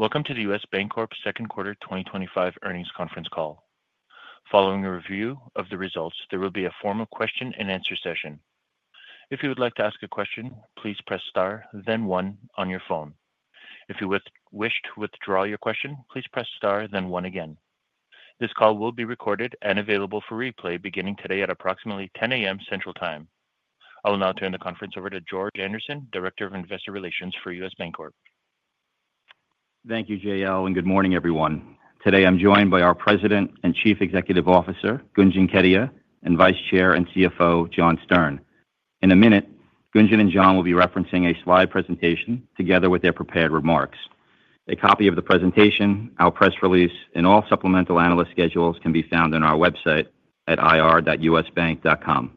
Welcome to the U.S. Bancorp second quarter 2025 earnings conference call. Following a review of the results, there will be a formal Q&A session. If you would like to ask a question, please press star, then one on your phone. If you wish to withdraw your question, please press star, then one again. This call will be recorded and available for replay beginning today at approximately 10:00 A.M. Central Time. I will now turn the conference over to George Andersen, Director of Investor Relations for U.S. Bancorp. Thank you, J.O., and good morning, everyone. Today I'm joined by our President and Chief Executive Officer, Gunjan Kedia, and Vice Chair and CFO, John Stern. In a minute, Gunjan and John will be referencing a slide presentation together with their prepared remarks. A copy of the presentation, our press release, and all supplemental analyst schedules can be found on our website at ir.usbank.com.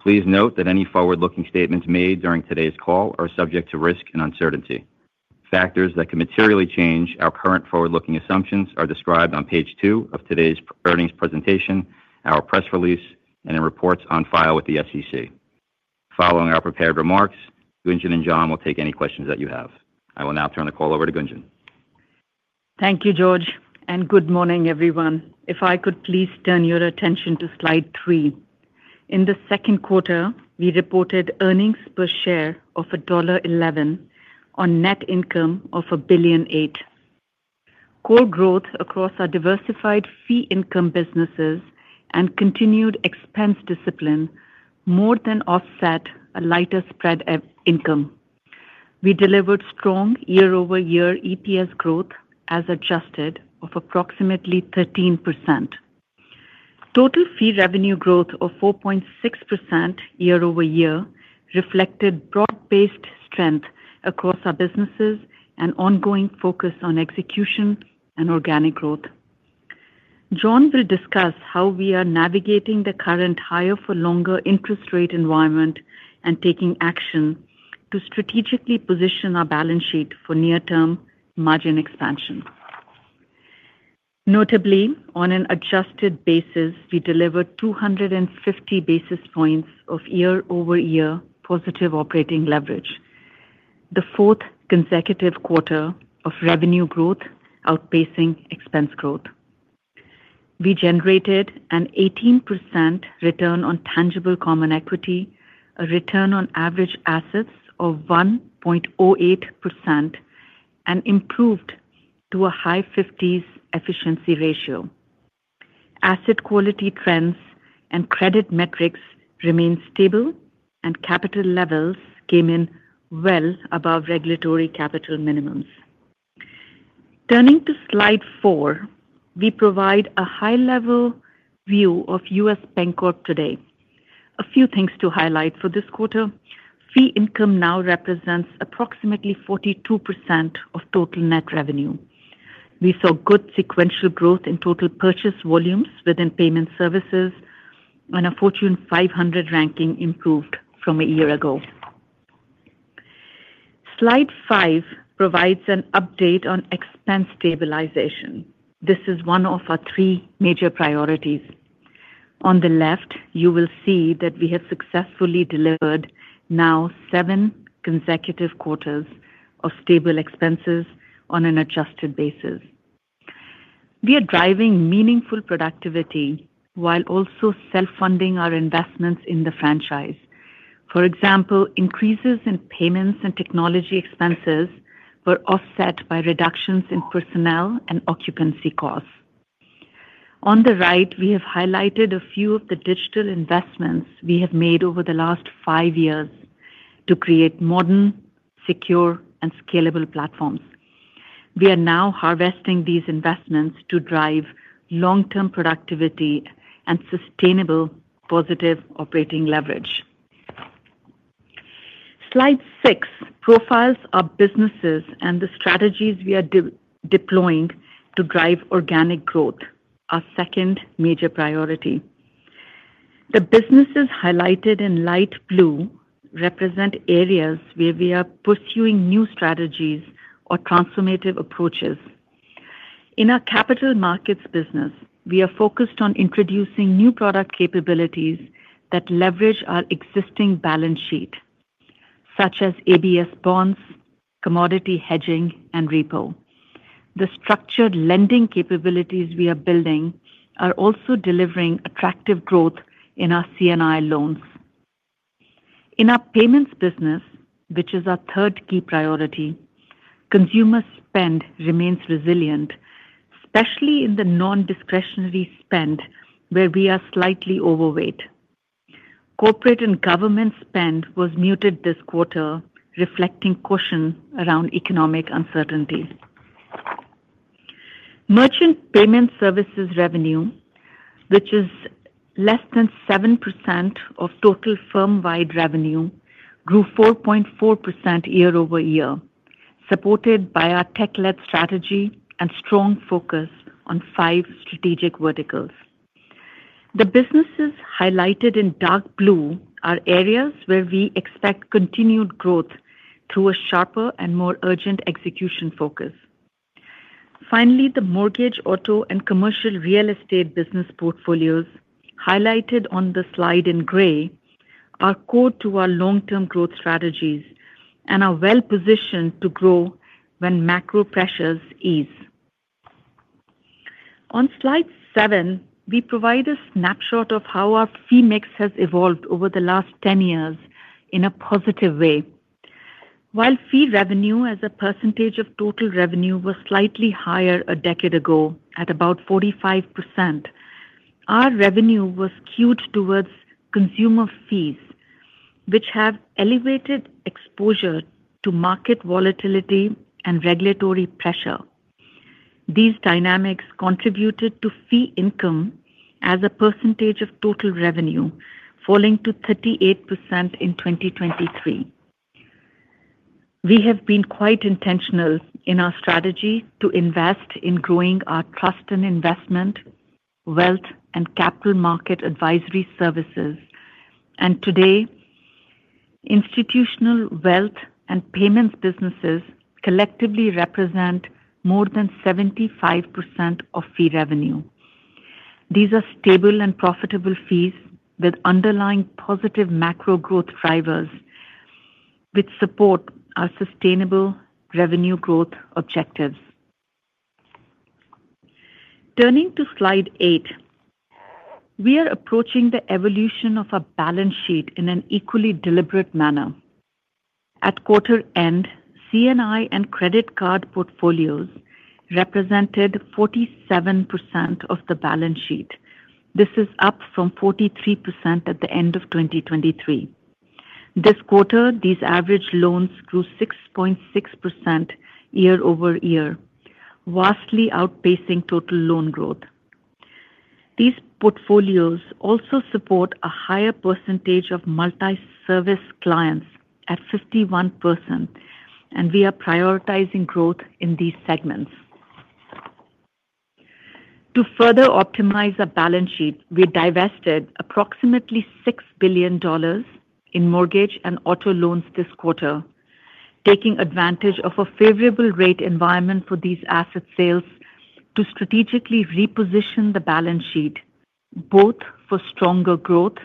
Please note that any forward-looking statements made during today's call are subject to risk and uncertainty. Factors that can materially change our current forward-looking assumptions are described on page two of today's earnings presentation, our press release, and in reports on file with the SEC. Following our prepared remarks, Gunjan and John will take any questions that you have. I will now turn the call over to Gunjan. Thank you, George, and good morning, everyone. If I could please turn your attention to slide three. In the second quarter, we reported earnings per share of $1.11 on net income of $1.8 billion. Core growth across our diversified fee-income businesses and continued expense discipline more than offset a lighter spread of income. We delivered strong year-over-year EPS growth, as adjusted, of approximately 13%. Total fee revenue growth of 4.6% year-over-year reflected broad-based strength across our businesses and ongoing focus on execution and organic growth. John will discuss how we are navigating the current higher-for-longer interest rate environment and taking action to strategically position our balance sheet for near-term margin expansion. Notably, on an adjusted basis, we delivered 250 basis points of year-over-year positive operating leverage, the fourth consecutive quarter of revenue growth outpacing expense growth. We generated an 18% return on tangible common equity, a return on average assets of 1.08%, and improved to a high-50s efficiency ratio. Asset quality trends and credit metrics remained stable, and capital levels came in well above regulatory capital minimums. Turning to slide four, we provide a high-level view of U.S. Bancorp today. A few things to highlight for this quarter: fee income now represents approximately 42% of total net revenue. We saw good sequential growth in total purchase volumes within payment services, and a Fortune 500 ranking improved from a year ago. Slide five provides an update on expense stabilization. This is one of our three major priorities. On the left, you will see that we have successfully delivered now seven consecutive quarters of stable expenses on an adjusted basis. We are driving meaningful productivity while also self-funding our investments in the franchise. For example, increases in payments and technology expenses were offset by reductions in personnel and occupancy costs. On the right, we have highlighted a few of the digital investments we have made over the last five years to create modern, secure, and scalable platforms. We are now harvesting these investments to drive long-term productivity and sustainable positive operating leverage. Slide six profiles our businesses and the strategies we are deploying to drive organic growth, our second major priority. The businesses highlighted in light blue represent areas where we are pursuing new strategies or transformative approaches. In our capital markets business, we are focused on introducing new product capabilities that leverage our existing balance sheet, such as ABS bonds, commodity hedging, and repo. The structured lending capabilities we are building are also delivering attractive growth in our C&I loans. In our payments business, which is our third key priority, consumer spend remains resilient, especially in the non-discretionary spend where we are slightly overweight. Corporate and government spend was muted this quarter, reflecting caution around economic uncertainty. Merchant Payment Services revenue, which is less than 7% of total firm-wide revenue, grew 4.4% year-over-year, supported by our tech-led strategy and strong focus on five strategic verticals. The businesses highlighted in dark blue are areas where we expect continued growth through a sharper and more urgent execution focus. Finally, the mortgage, auto, and commercial real estate business portfolios, highlighted on the slide in gray, are core to our long-term growth strategies and are well-positioned to grow when macro pressures ease. On slide seven, we provide a snapshot of how our fee mix has evolved over the last 10 years in a positive way. While fee revenue, as a percentage of total revenue, was slightly higher a decade ago at about 45%, our revenue was skewed towards consumer fees, which have elevated exposure to market volatility and regulatory pressure. These dynamics contributed to fee income as a percentage of total revenue, falling to 38% in 2023. We have been quite intentional in our strategy to invest in growing our trust and investment wealth, and capital market advisory services, and today institutional wealth and payments businesses collectively represent more than 75% of fee revenue. These are stable and profitable fees with underlying positive macro growth drivers, which support our sustainable revenue growth objectives. Turning to slide eight, we are approaching the evolution of our balance sheet in an equally deliberate manner. At quarter end, C&I and credit card portfolios represented 47% of the balance sheet. This is up from 43% at the end of 2023. This quarter, these average loans grew 6.6% year-over-year, vastly outpacing total loan growth. These portfolios also support a higher percentage of multi-service clients at 51%, and we are prioritizing growth in these segments. To further optimize our balance sheet, we divested approximately $6 billion in mortgage and auto loans this quarter, taking advantage of a favorable rate environment for these asset sales to strategically reposition the balance sheet both for stronger growth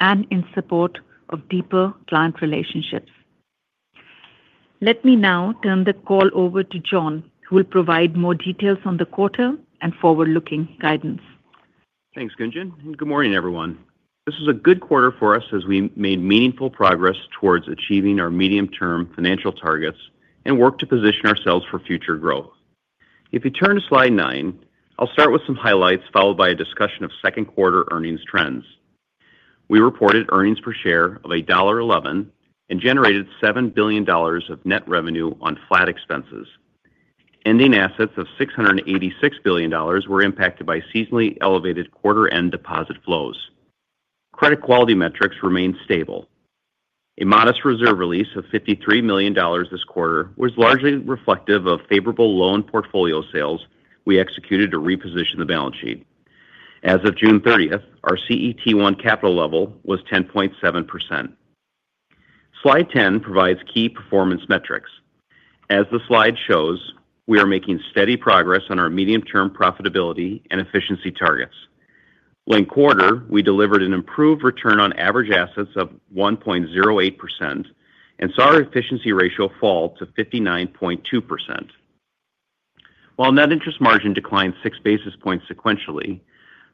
and in support of deeper client relationships. Let me now turn the call over to John, who will provide more details on the quarter and forward-looking guidance. Thanks, Gunjan. Good morning, everyone. This was a good quarter for us as we made meaningful progress towards achieving our medium-term financial targets and worked to position ourselves for future growth. If you turn to slide nine, I'll start with some highlights followed by a discussion of second quarter earnings trends. We reported earnings per share of $1.11 and generated $7 billion of net revenue on flat expenses. Ending assets of $686 billion were impacted by seasonally elevated quarter-end deposit flows. Credit quality metrics remained stable. A modest reserve release of $53 million this quarter was largely reflective of favorable loan portfolio sales we executed to reposition the balance sheet. As of June 30th, our CET1 capital level was 10.7%. Slide 10 provides key performance metrics. As the slide shows, we are making steady progress on our medium-term profitability and efficiency targets. Linked quarter, we delivered an improved return on average assets of 1.08% and saw our efficiency ratio fall to 59.2%. While net interest margin declined six basis points sequentially,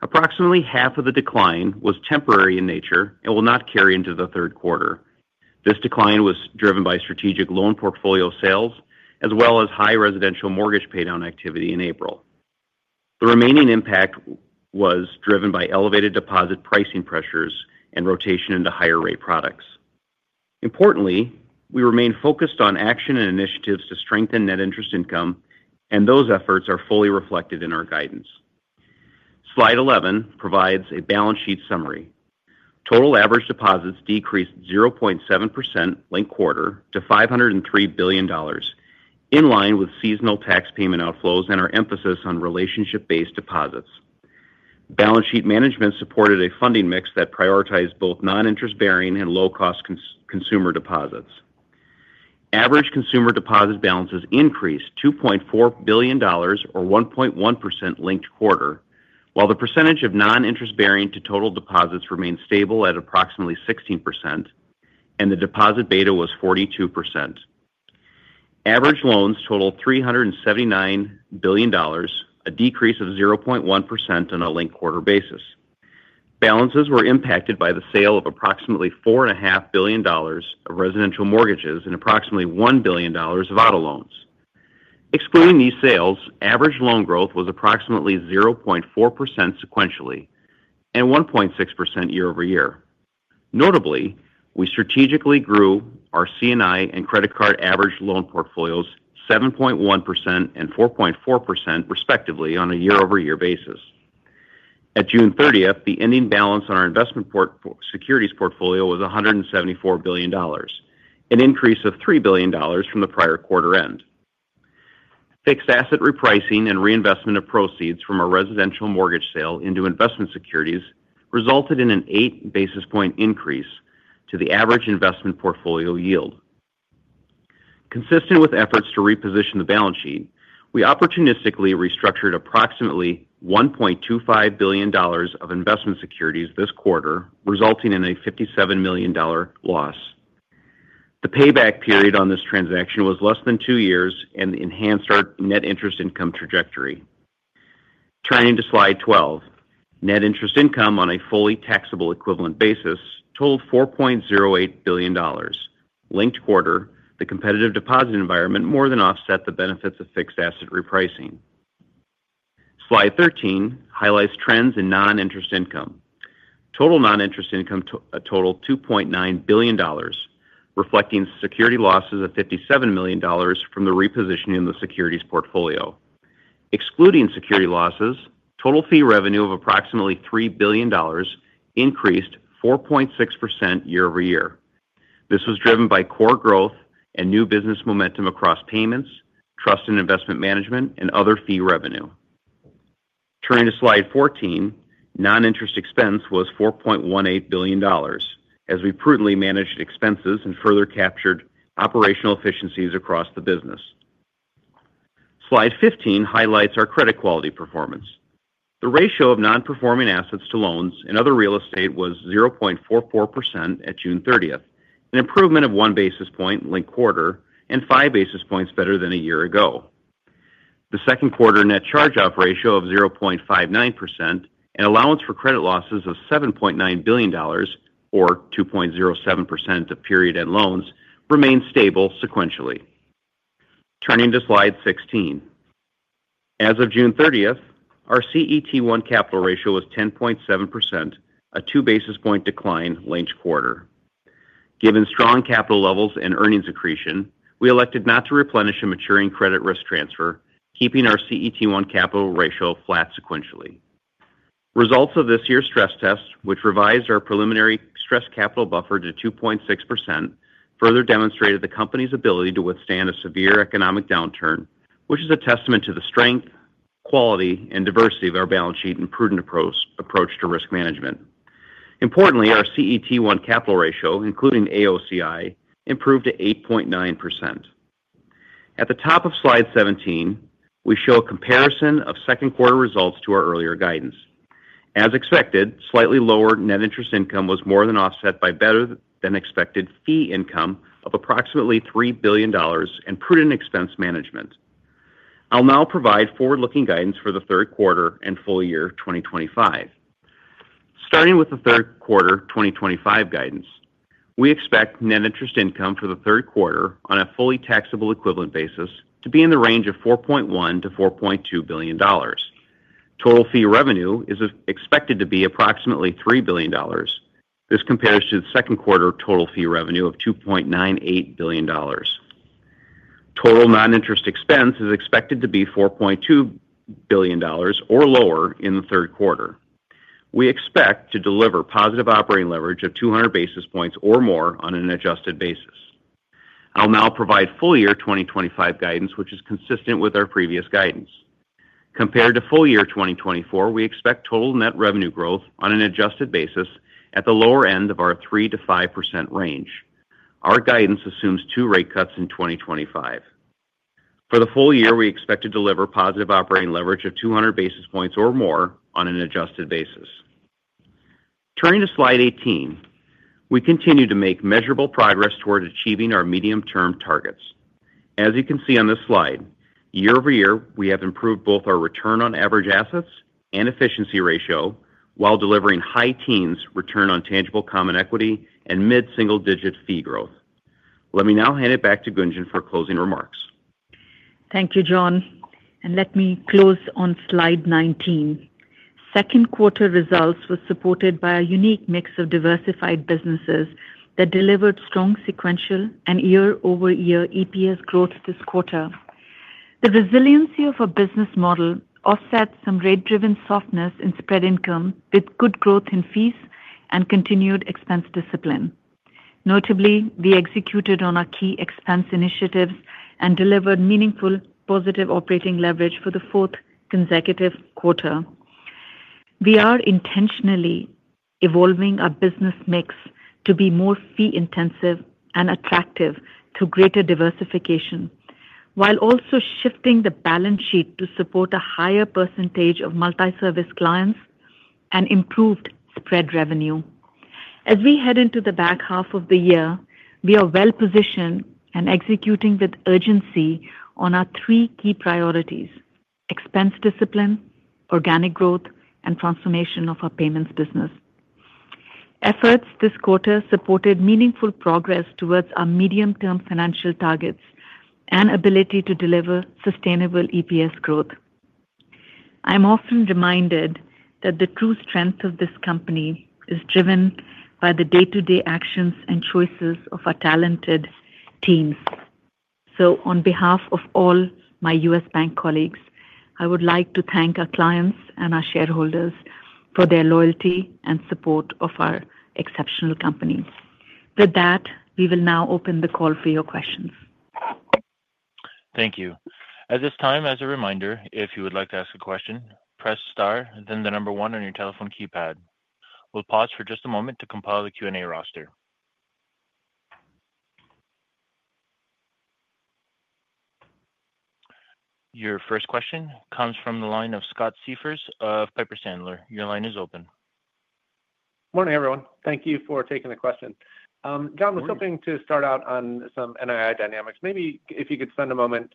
approximately half of the decline was temporary in nature and will not carry into the third quarter. This decline was driven by strategic loan portfolio sales as well as high residential mortgage paydown activity in April. The remaining impact was driven by elevated deposit pricing pressures and rotation into higher-rate products. Importantly, we remain focused on action and initiatives to strengthen net interest income, and those efforts are fully reflected in our guidance. Slide 11 provides a balance sheet summary. Total average deposits decreased 0.7% linked quarter to $503 billion. In line with seasonal tax payment outflows and our emphasis on relationship-based deposits. Balance sheet management supported a funding mix that prioritized both non-interest-bearing and low-cost consumer deposits. Average consumer deposit balances increased $2.4 billion, or 1.1% linked quarter, while the percentage of non-interest-bearing to total deposits remained stable at approximately 16%, and the deposit beta was 42%. Average loans totaled $379 billion, a decrease of 0.1% on a linked quarter basis. Balances were impacted by the sale of approximately $4.5 billion of residential mortgages and approximately $1 billion of auto loans. Excluding these sales, average loan growth was approximately 0.4% sequentially and 1.6% year-over-year. Notably, we strategically grew our C&I and credit card average loan portfolios 7.1% and 4.4%, respectively, on a year-over-year basis. At June 30th, the ending balance on our investment securities portfolio was $174 billion, an increase of $3 billion from the prior quarter end. Fixed asset repricing and reinvestment of proceeds from our residential mortgage sale into investment securities resulted in an eight basis point increase to the average investment portfolio yield. Consistent with efforts to reposition the balance sheet, we opportunistically restructured approximately $1.25 billion of investment securities this quarter, resulting in a $57 million loss. The payback period on this transaction was less than two years and enhanced our net interest income trajectory. Turning to slide 12, net interest income on a fully taxable equivalent basis totaled $4.08 billion. Linked quarter, the competitive deposit environment more than offset the benefits of fixed asset repricing. Slide 13 highlights trends in non-interest income. Total non-interest income totaled $2.9 billion, reflecting security losses of $57 million from the repositioning of the securities portfolio. Excluding security losses, total fee revenue of approximately $3 billion increased 4.6% year-over-year. This was driven by core growth and new business momentum across payments, trust and investment management, and other fee revenue. Turning to slide 14, non-interest expense was $4.18 billion, as we prudently managed expenses and further captured operational efficiencies across the business. Slide 15 highlights our credit quality performance. The ratio of non-performing assets to loans and other real estate was 0.44% at June 30th, an improvement of one basis point linked quarter and five basis points better than a year ago. The second quarter net charge-off ratio of 0.59% and allowance for credit losses of $7.9 billion, or 2.07% of period-end loans, remained stable sequentially. Turning to slide 16. As of June 30th, our CET1 capital ratio was 10.7%, a two basis point decline linked quarter. Given strong capital levels and earnings accretion, we elected not to replenish a maturing credit risk transfer, keeping our CET1 capital ratio flat sequentially. Results of this year's stress test, which revised our preliminary stress capital buffer to 2.6%, further demonstrated the company's ability to withstand a severe economic downturn, which is a testament to the strength, quality, and diversity of our balance sheet and prudent approach to risk management. Importantly, our CET1 capital ratio, including AOCI, improved to 8.9%. At the top of slide 17, we show a comparison of second quarter results to our earlier guidance. As expected, slightly lower net interest income was more than offset by better-than-expected fee income of approximately $3 billion and prudent expense management. I'll now provide forward-looking guidance for the third quarter and full year 2025. Starting with the third quarter 2025 guidance, we expect net interest income for the third quarter on a fully taxable equivalent basis to be in the range of $4.1-$4.2 billion. Total fee revenue is expected to be approximately $3 billion. This compares to the second quarter total fee revenue of $2.98 billion. Total non-interest expense is expected to be $4.2 billion or lower in the third quarter. We expect to deliver positive operating leverage of 200 basis points or more on an adjusted basis. I'll now provide full year 2025 guidance, which is consistent with our previous guidance. Compared to full year 2024, we expect total net revenue growth on an adjusted basis at the lower end of our 3%-5% range. Our guidance assumes two rate cuts in 2025. For the full year, we expect to deliver positive operating leverage of 200 basis points or more on an adjusted basis. Turning to slide 18, we continue to make measurable progress toward achieving our medium-term targets. As you can see on this slide, year-over-year, we have improved both our return on average assets and efficiency ratio while delivering high teens return on tangible common equity and mid-single-digit fee growth. Let me now hand it back to Gunjan for closing remarks. Thank you, John. Let me close on slide 19. Second quarter results were supported by a unique mix of diversified businesses that delivered strong sequential and year-over-year EPS growth this quarter. The resiliency of our business model offset some rate-driven softness in spread income with good growth in fees and continued expense discipline. Notably, we executed on our key expense initiatives and delivered meaningful positive operating leverage for the fourth consecutive quarter. We are intentionally evolving our business mix to be more fee-intensive and attractive to greater diversification, while also shifting the balance sheet to support a higher percentage of multi-service clients and improved spread revenue. As we head into the back half of the year, we are well-positioned and executing with urgency on our three key priorities: expense discipline, organic growth, and transformation of our payments business. Efforts this quarter supported meaningful progress towards our medium-term financial targets and ability to deliver sustainable EPS growth. I am often reminded that the true strength of this company is driven by the day-to-day actions and choices of our talented teams. So, on behalf of all my U.S. Bank colleagues, I would like to thank our clients and our shareholders for their loyalty and support of our exceptional company. With that, we will now open the call for your questions. Thank you. At this time, as a reminder, if you would like to ask a question, press star, then the number one on your telephone keypad. We'll pause for just a moment to compile the Q&A roster. Your first question comes from the line of Scott Siefers of Piper Sandler. Your line is open. Morning, everyone. Thank you for taking the question. John, we're hoping to start out on some NII dynamics. Maybe if you could spend a moment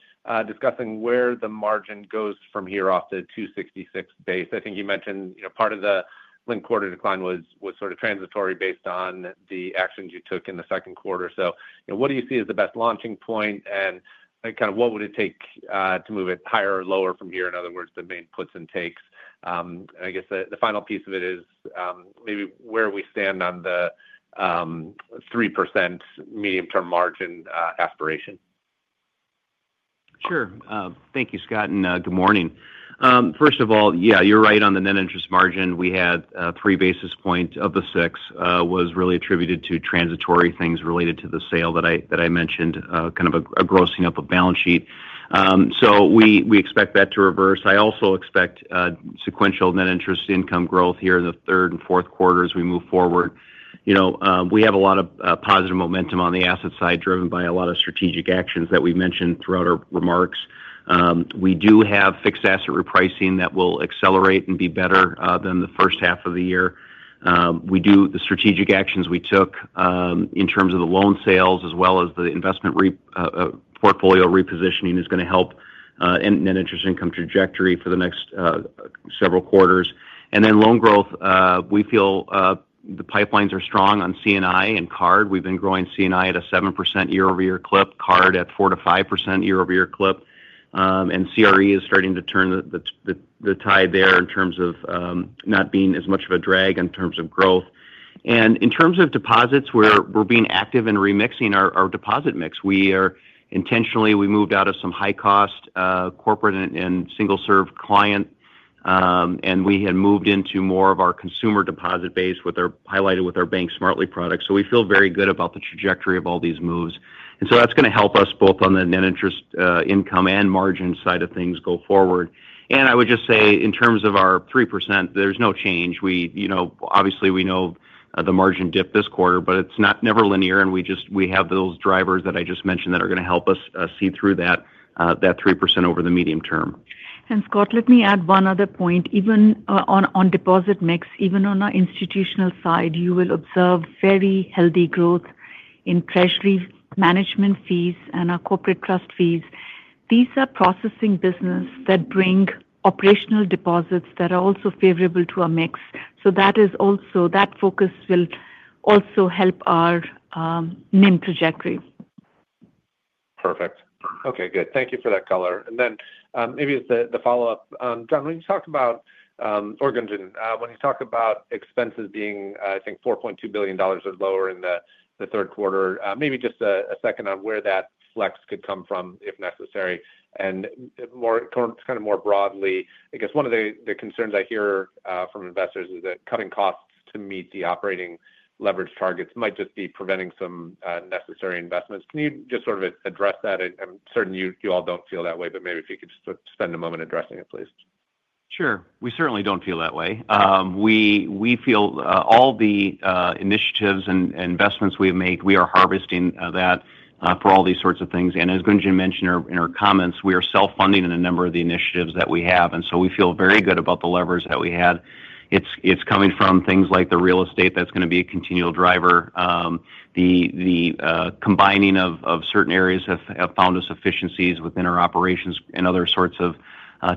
discussing where the margin goes from here off the 2.66% base. I think you mentioned part of the linked quarter decline was sort of transitory based on the actions you took in the second quarter. So, what do you see as the best launching point, and kind of what would it take to move it higher or lower from here? In other words, the main puts and takes. I guess the final piece of it is maybe where we stand on the 3% medium-term margin aspiration. Sure. Thank you, Scott, and good morning. First of all, yeah, you're right on the net interest margin. We had 3 basis points of the 6 was really attributed to transitory things related to the sale that I mentioned, kind of a grossing up of balance sheet. So, we expect that to reverse. I also expect sequential net interest income growth here in the third and fourth quarter as we move forward. We have a lot of positive momentum on the asset side, driven by a lot of strategic actions that we mentioned throughout our remarks. We do have fixed asset repricing that will accelerate and be better than the first half of the year. The strategic actions we took in terms of the loan sales, as well as the investment portfolio repositioning, is going to help net interest income trajectory for the next several quarters. And then loan growth, we feel the pipelines are strong on C&I and card. We've been growing C&I at a 7% year-over-year clip, card at 4%-5% year-over-year clip. And CRE is starting to turn the tide there in terms of not being as much of a drag in terms of growth. And in terms of deposits, we're being active in remixing our deposit mix. We intentionally moved out of some high-cost corporate and single-serve client. And we had moved into more of our consumer deposit base, highlighted with our Bank Smartly product. So, we feel very good about the trajectory of all these moves. And so, that's going to help us both on the net interest income and margin side of things go forward. And I would just say, in terms of our 3%, there's no change. Obviously, we know the margin dip this quarter, but it's never linear, and we have those drivers that I just mentioned that are going to help us see through that 3% over the medium term. And Scott, let me add one other point. Even on deposit mix, even on our institutional side, you will observe very healthy growth in treasury management fees and our corporate trust fees. These are processing businesses that bring operational deposits that are also favorable to our mix. So, that focus will also help our NIM trajectory. Perfect. Okay, good. Thank you for that color. And then maybe as the follow-up, John, when you talked about. Or Gunjan, when you talked about expenses being, I think, $4.2 billion or lower in the third quarter, maybe just a second on where that flex could come from if necessary. And kind of more broadly, I guess one of the concerns I hear from investors is that cutting costs to meet the operating leverage targets might just be preventing some necessary investments. Can you just sort of address that? I'm certain you all don't feel that way, but maybe if you could just spend a moment addressing it, please. Sure. We certainly don't feel that way. We feel all the initiatives and investments we've made, we are harvesting that for all these sorts of things. And as Gunjan mentioned in her comments, we are self-funding in a number of the initiatives that we have. And so, we feel very good about the levers that we had. It's coming from things like the real estate that's going to be a continual driver. Combining of certain areas have found us efficiencies within our operations and other sorts of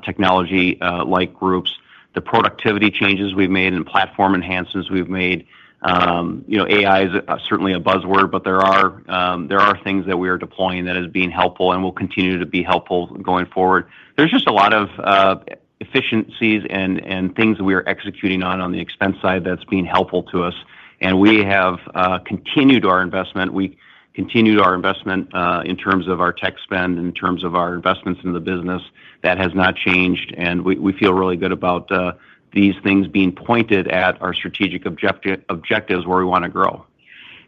technology-like groups. The productivity changes we've made and platform enhancements we've made. AI is certainly a buzzword, but there are things that we are deploying that have been helpful and will continue to be helpful going forward. There's just a lot of efficiencies and things that we are executing on on the expense side that's been helpful to us. And we have continued our investment. We continued our investment in terms of our tech spend, in terms of our investments in the business. That has not changed. And we feel really good about these things being pointed at our strategic objectives where we want to grow.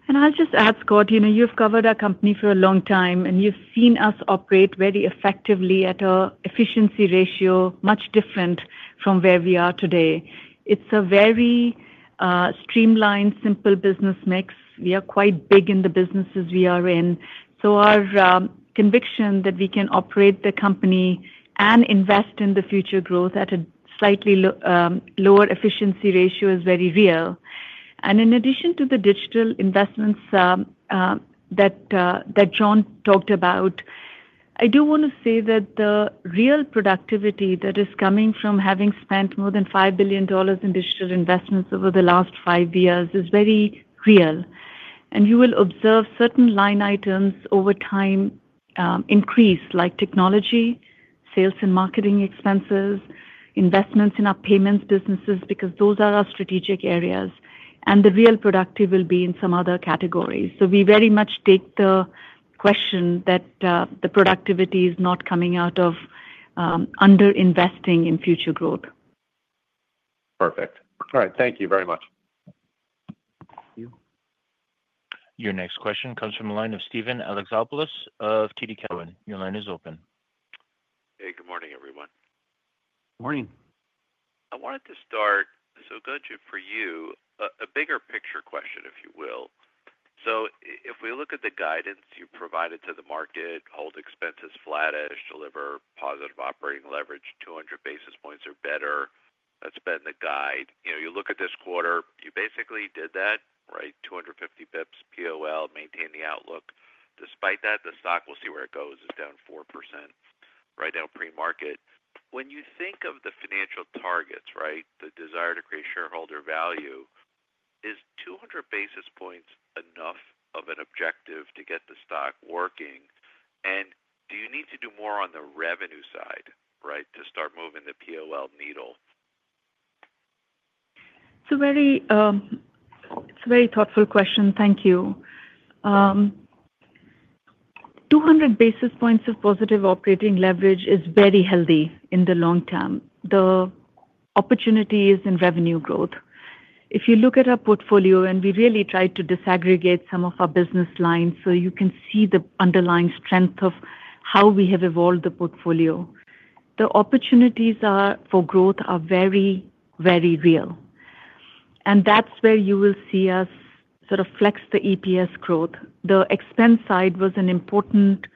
And I'll just add, Scott, you've covered our company for a long time, and you've seen us operate very effectively at an efficiency ratio much different from where we are today. It's a very streamlined, simple business mix. We are quite big in the businesses we are in. So, our conviction that we can operate the company and invest in the future growth at a slightly lower efficiency ratio is very real. And in addition to the digital investments that John talked about, I do want to say that the real productivity that is coming from having spent more than $5 billion in digital investments over the last five years is very real. And you will observe certain line items over time increase, like technology, sales and marketing expenses, investments in our payments businesses, because those are our strategic areas. And the real productivity will be in some other categories. So, we very much take the question that the productivity is not coming out of under-investing in future growth. Perfect. All right. Thank you very much. Your next question comes from the line of Steven Alexopoulos of TD Cowen. Your line is open. Hey, good morning, everyone. Morning. I wanted to start, so Gunjan, for you, a bigger picture question, if you will. So, if we look at the guidance you provided to the market, hold expenses flattish, deliver positive operating leverage, 200 basis points or better, that's been the guide. You look at this quarter, you basically did that, right? 250 bps POL, maintain the outlook. Despite that, the stock, we'll see where it goes, is down 4%, right now pre-market. When you think of the financial targets, right, the desire to create shareholder value, is 200 basis points enough of an objective to get the stock working? And do you need to do more on the revenue side, right, to start moving the POL needle? It's a very thoughtful question. Thank you. 200 basis points of positive operating leverage is very healthy in the long term. The opportunity is in revenue growth. If you look at our portfolio, and we really tried to disaggregate some of our business lines so you can see the underlying strength of how we have evolved the portfolio, the opportunities for growth are very, very real. And that's where you will see us sort of flex the EPS growth. The expense side was an important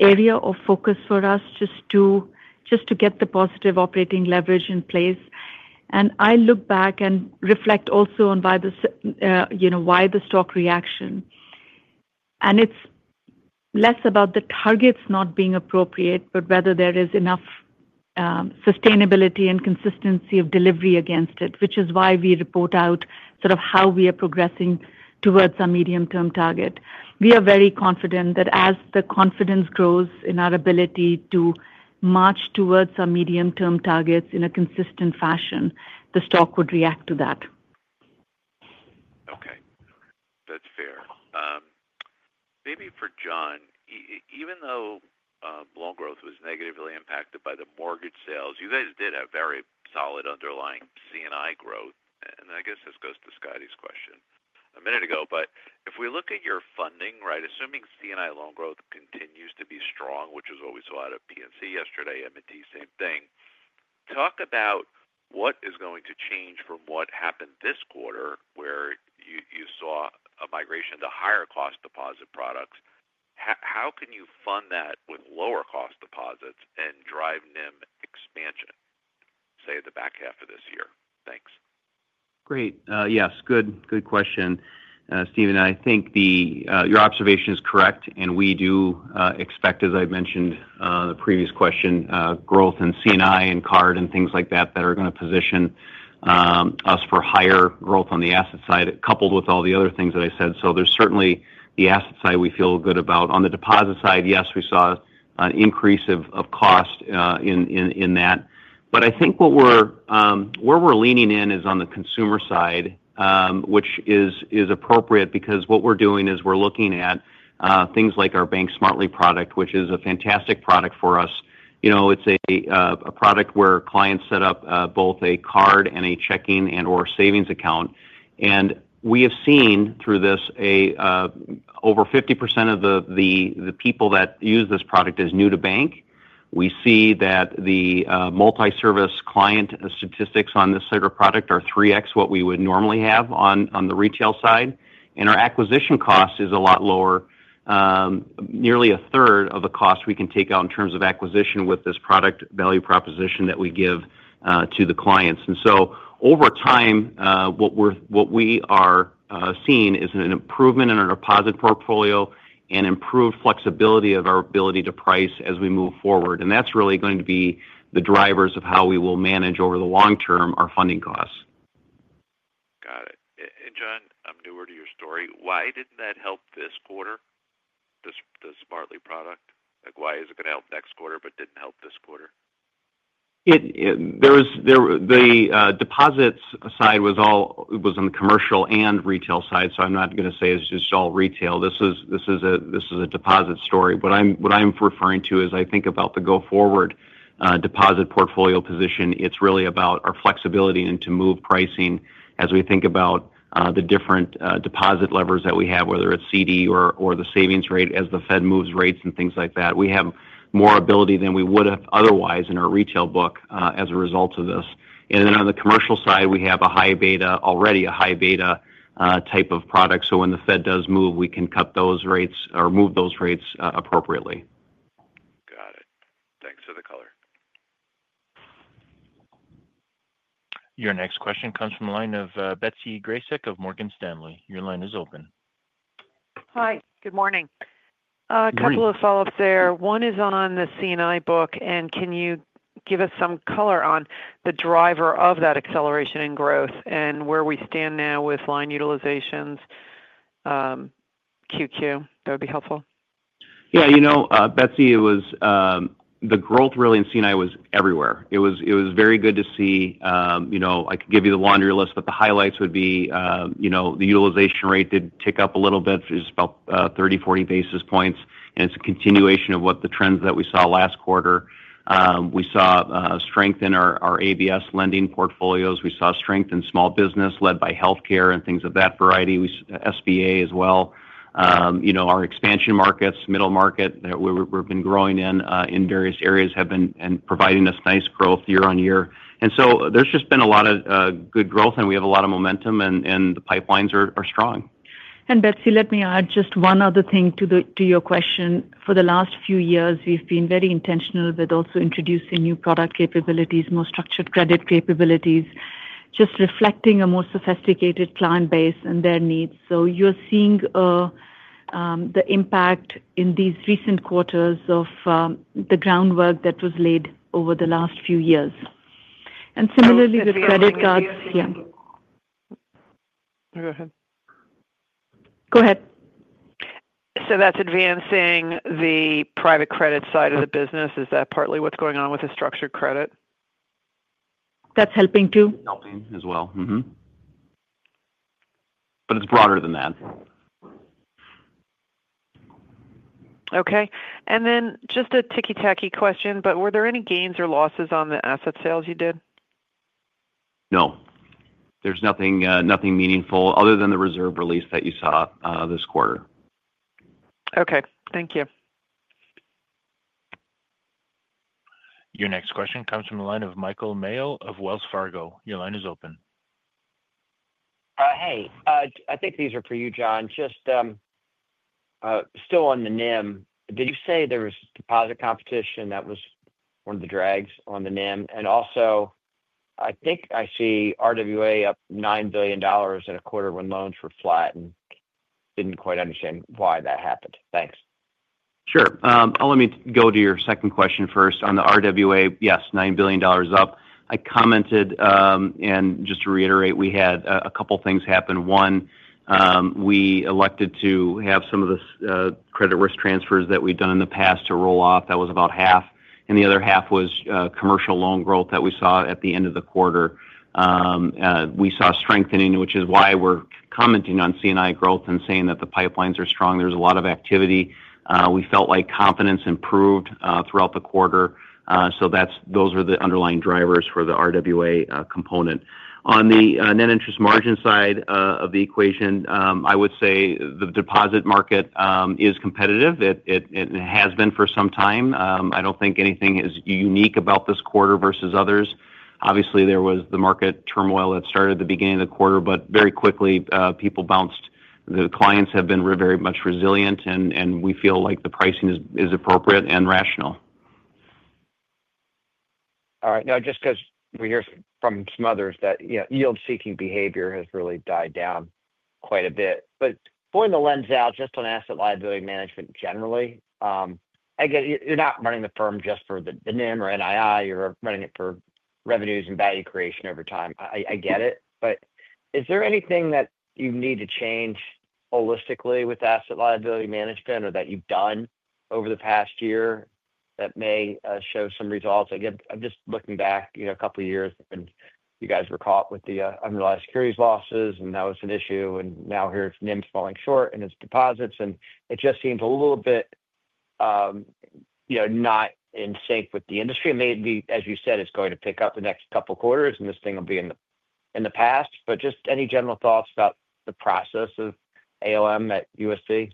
area of focus for us just to get the positive operating leverage in place. And I look back and reflect also on why the stock reaction. And it's less about the targets not being appropriate, but whether there is enough sustainability and consistency of delivery against it, which is why we report out sort of how we are progressing towards our medium-term target. We are very confident that as the confidence grows in our ability to march towards our medium-term targets in a consistent fashion, the stock would react to that. Okay. That's fair. Maybe for John, even though loan growth was negatively impacted by the mortgage sales, you guys did have very solid underlying C&I growth. And I guess this goes to Scott's question a minute ago. But if we look at your funding, right, assuming C&I loan growth continues to be strong, which was what we saw out of PNC yesterday, M&T, same thing, talk about what is going to change from what happened this quarter where you saw a migration to higher-cost deposit products. How can you fund that with lower-cost deposits and drive NIM expansion, say, in the back half of this year? Thanks. Great. Yes. Good question, Steven. I think your observation is correct, and we do expect, as I've mentioned on the previous question, growth in C&I and card and things like that that are going to position us for higher growth on the asset side, coupled with all the other things that I said, so there's certainly the asset side we feel good about. On the deposit side, yes, we saw an increase of cost in that, but I think where we're leaning in is on the consumer side, which is appropriate because what we're doing is we're looking at things like our Bank Smartly product, which is a fantastic product for us. It's a product where clients set up both a card and a checking and/or savings account, and we have seen through this over 50% of the people that use this product as new to bank. We see that the multi-service client statistics on this type of product are 3x what we would normally have on the retail side, and our acquisition cost is a lot lower. Nearly a third of the cost we can take out in terms of acquisition with this product value proposition that we give to the clients, and so, over time, what we are seeing is an improvement in our deposit portfolio and improved flexibility of our ability to price as we move forward, and that's really going to be the drivers of how we will manage over the long term our funding costs. Got it. And John, I'm newer to your story. Why didn't that help this quarter? The Smartly product? Why is it going to help next quarter but didn't help this quarter? The deposits side was on the commercial and retail side. So, I'm not going to say it's just all retail. This is a deposit story. What I'm referring to is I think about the go-forward deposit portfolio position. It's really about our flexibility and to move pricing as we think about the different deposit levers that we have, whether it's CD or the savings rate as the Fed moves rates and things like that. We have more ability than we would have otherwise in our retail book as a result of this. And then on the commercial side, we have a high beta, already a high beta type of product. So, when the Fed does move, we can cut those rates or move those rates appropriately. Got it. Thanks for the color. Your next question comes from the line of Betsy Graseck of Morgan Stanley. Your line is open. Hi. Good morning. A couple of follow-ups there. One is on the C&I book. And can you give us some color on the driver of that acceleration in growth and where we stand now with line utilizations, q/q? That would be helpful. Yeah. You know, Betsy, it was the growth really in C&I was everywhere. It was very good to see. I could give you the laundry list, but the highlights would be the utilization rate did tick up a little bit. It's about 30, 40 basis points, and it's a continuation of what the trends that we saw last quarter. We saw strength in our ABS lending portfolios. We saw strength in small business led by healthcare and things of that variety. SBA as well. Our expansion markets, middle market that we've been growing in various areas have been providing us nice growth year on year. And so, there's just been a lot of good growth, and we have a lot of momentum, and the pipelines are strong. And Betsy, let me add just one other thing to your question. For the last few years, we've been very intentional with also introducing new product capabilities, more structured credit capabilities, just reflecting a more sophisticated client base and their needs. So, you're seeing the impact in these recent quarters of the groundwork that was laid over the last few years. And similarly with credit cards. Yeah. Go ahead. Go ahead. So, that's advancing the private credit side of the business. Is that partly what's going on with the structured credit? That's helping too. Helping as well. But it's broader than that. And then just a ticky-tacky question, but were there any gains or losses on the asset sales you did? No. There's nothing meaningful other than the reserve release that you saw this quarter. Okay. Thank you. Your next question comes from the line of Michael Mayo of Wells Fargo. Your line is open. Hey. I think these are for you, John. Still on the NIM, did you say there was deposit competition that was one of the drags on the NIM? And also, I think I see RWA up $9 billion in a quarter when loans were flat and didn't quite understand why that happened. Thanks. Sure. Let me go to your second question first on the RWA. Yes, $9 billion up. I commented, and just to reiterate, we had a couple of things happen. One, we elected to have some of the credit risk transfers that we've done in the past to roll off. That was about half. And the other half was commercial loan growth that we saw at the end of the quarter. We saw strengthening, which is why we're commenting on C&I growth and saying that the pipelines are strong. There's a lot of activity. We felt like confidence improved throughout the quarter. So, those were the underlying drivers for the RWA component. On the net interest margin side of the equation, I would say the deposit market is competitive. It has been for some time. I don't think anything is unique about this quarter versus others. Obviously, there was the market turmoil that started at the beginning of the quarter, but very quickly, people bounced. The clients have been very much resilient, and we feel like the pricing is appropriate and rational. All right. No, just because we hear from some others that yield-seeking behavior has really died down quite a bit. But pulling the lens out just on asset liability management generally, I guess you're not running the firm just for the NIM or NII. You're running it for revenues and value creation over time. I get it. But is there anything that you need to change holistically with asset liability management or that you've done over the past year that may show some results? Again, I'm just looking back a couple of years, and you guys were caught with the unrealized securities losses, and that was an issue. And now here it's NIM falling short in its deposits. And it just seems a little bit not in sync with the industry. Maybe, as you said, it's going to pick up the next couple of quarters, and this thing will be in the past. But just any general thoughts about the process of ALM at USB?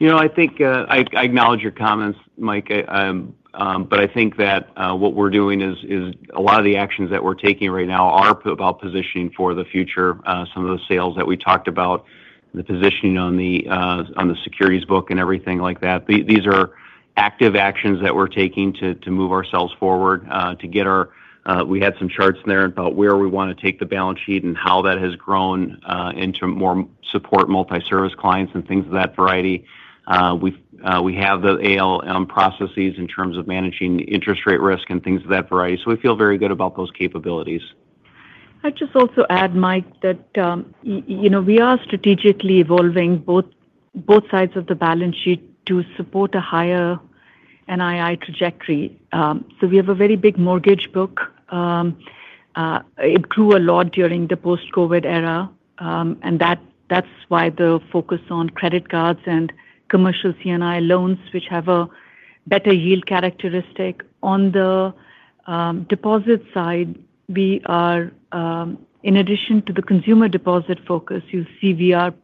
I acknowledge your comments, Mike, but I think that what we're doing is a lot of the actions that we're taking right now are about positioning for the future, some of the sales that we talked about, the positioning on the securities book and everything like that. These are active actions that we're taking to move ourselves forward, to get our—we had some charts in there about where we want to take the balance sheet and how that has grown into more support, multi-service clients and things of that variety. We have the ALM processes in terms of managing interest rate risk and things of that variety, so we feel very good about those capabilities. I'd just also add, Mike, that we are strategically evolving both sides of the balance sheet to support a higher NII trajectory. So, we have a very big mortgage book. It grew a lot during the post-COVID era. And that's why the focus on credit cards and commercial C&I loans, which have a better yield characteristic. On the deposit side, we are, in addition to the consumer deposit focus, you see we are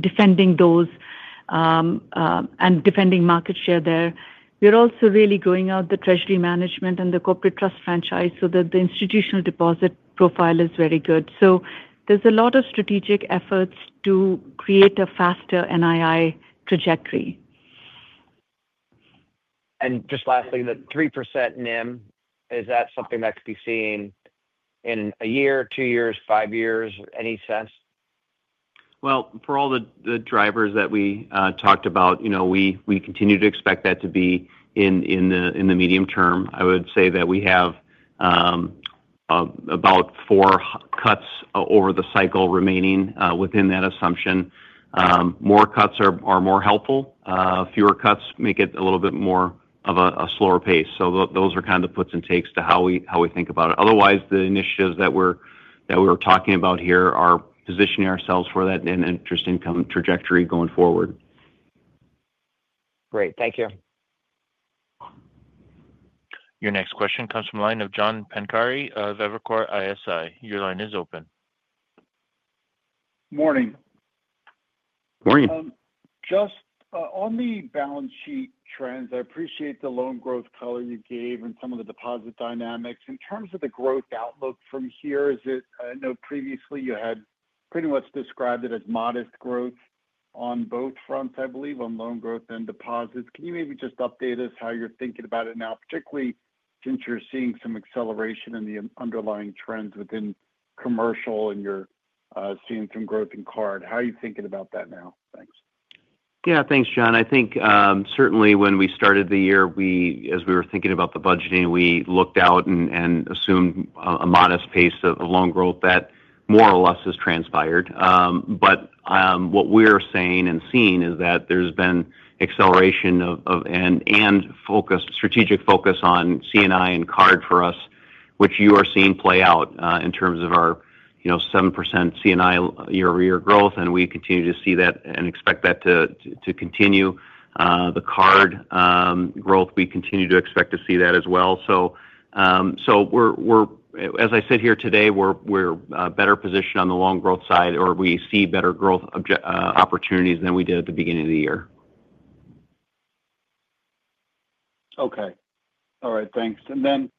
defending those. And defending market share there. We're also really growing out the treasury management and the corporate trust franchise so that the institutional deposit profile is very good. So, there's a lot of strategic efforts to create a faster NII trajectory. And just lastly, the 3% NIM, is that something that could be seen in a year, two years, five years, any sense? Well, for all the drivers that we talked about, we continue to expect that to be in the medium term. I would say that we have about four cuts over the cycle remaining within that assumption. More cuts are more helpful. Fewer cuts make it a little bit more of a slower pace. So, those are kind of the puts and takes to how we think about it. Otherwise, the initiatives that we're talking about here are positioning ourselves for that net interest income trajectory going forward. Great. Thank you. Your next question comes from the line of John Pancari, Evercore ISI. Your line is open. Morning. Morning. Just on the balance sheet trends, I appreciate the loan growth color you gave and some of the deposit dynamics. In terms of the growth outlook from here, is it—I know previously you had pretty much described it as modest growth on both fronts, I believe, on loan growth and deposits. Can you maybe just update us how you're thinking about it now, particularly since you're seeing some acceleration in the underlying trends within commercial and you're seeing some growth in card? How are you thinking about that now? Thanks. Yeah. Thanks, John. I think certainly when we started the year, as we were thinking about the budgeting, we looked out and assumed a modest pace of loan growth that more or less has transpired. But what we're saying and seeing is that there's been acceleration and strategic focus on C&I and card for us, which you are seeing play out in terms of our 7% C&I year-over-year growth. And we continue to see that and expect that to continue. The card growth, we continue to expect to see that as well. So. As I sit here today, we're better positioned on the loan growth side, or we see better growth opportunities than we did at the beginning of the year. Okay. All right. Thanks. And then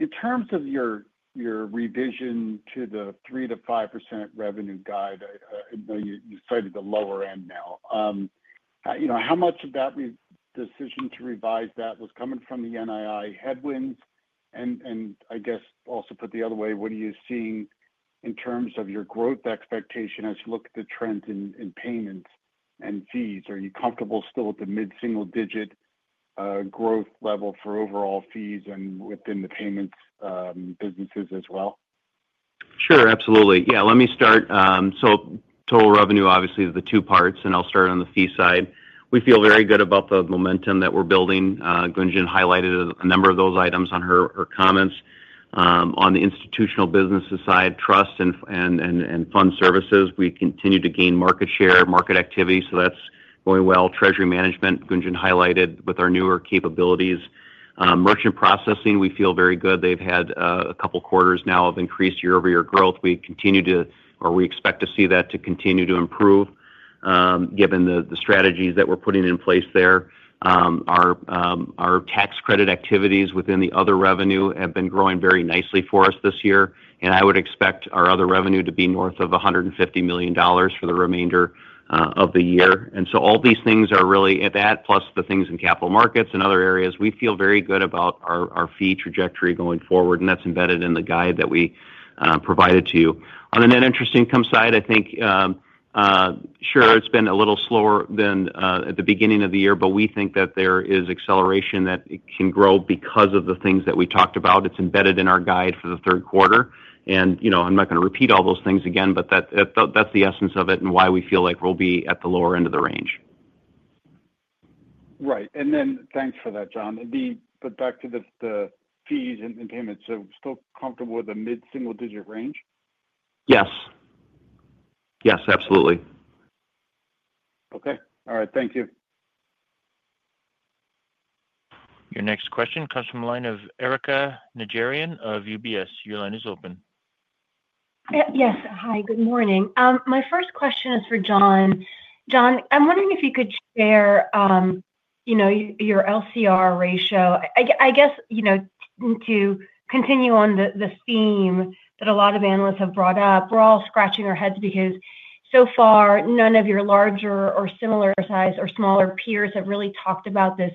in terms of your revision to the 3%-5% revenue guide, I know you cited the lower end now. How much of that decision to revise that was coming from the NII headwinds? And I guess also put the other way, what are you seeing in terms of your growth expectation as you look at the trends in payments and fees? Are you comfortable still with the mid-single-digit growth level for overall fees and within the payments businesses as well? Sure. Absolutely. Yeah. Let me start. So, total revenue, obviously, is the two parts, and I'll start on the fee side. We feel very good about the momentum that we're building. Gunjan highlighted a number of those items on her comments. On the institutional businesses side, trust and fund services, we continue to gain market share, market activity. So, that's going well. Treasury management, Gunjan highlighted with our newer capabilities. Merchant processing, we feel very good. They've had a couple of quarters now of increased year-over-year growth. We continue to, or we expect to see that to continue to improve. Given the strategies that we're putting in place there. Our tax credit activities within the other revenue have been growing very nicely for us this year. And I would expect our other revenue to be north of $150 million for the remainder of the year. And so, all these things are really at that, plus the things in capital markets and other areas. We feel very good about our fee trajectory going forward, and that's embedded in the guide that we provided to you. On the net interest income side, I think. Sure, it's been a little slower than at the beginning of the year, but we think that there is acceleration that it can grow because of the things that we talked about. It's embedded in our guide for the third quarter. And I'm not going to repeat all those things again, but that's the essence of it and why we feel like we'll be at the lower end of the range. Right. And then thanks for that, John. But back to the fees and payments, so still comfortable with a mid-single-digit range? Yes. Yes. Absolutely. Okay. All right. Thank you. Your next question comes from the line of Erika Najarian of UBS. Your line is open. Yes. Hi. Good morning. My first question is for John. John, I'm wondering if you could share your LCR ratio. I guess to continue on the theme that a lot of analysts have brought up, we're all scratching our heads because so far, none of your larger or similar-sized or smaller peers have really talked about this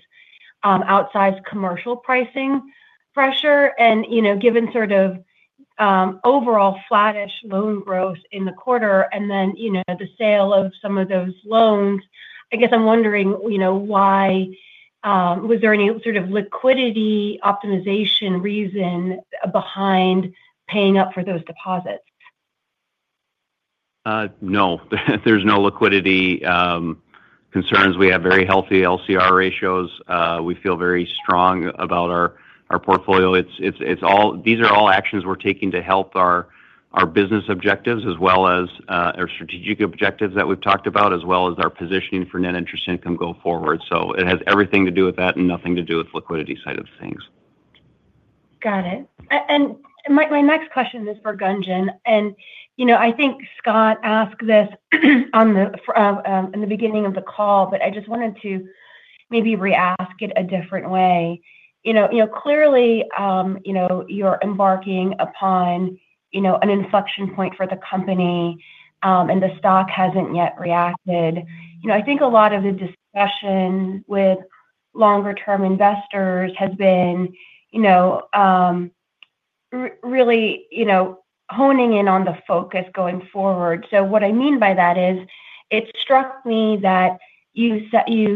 outsized commercial pricing pressure. And given sort of overall flattish loan growth in the quarter and then the sale of some of those loans, I guess I'm wondering why. Was there any sort of liquidity optimization reason behind paying up for those deposits? No. There's no liquidity concerns. We have very healthy LCR ratios. We feel very strong about our portfolio. These are all actions we're taking to help our business objectives as well as our strategic objectives that we've talked about, as well as our positioning for net interest income going forward. So, it has everything to do with that and nothing to do with the liquidity side of things. Got it. And my next question is for Gunjan. And I think Scott asked this in the beginning of the call, but I just wanted to maybe re-ask it a different way. Clearly, you're embarking upon an inflection point for the company. And the stock hasn't yet reacted. I think a lot of the discussion with longer-term investors has been really honing in on the focus going forward. So, what I mean by that is it struck me that you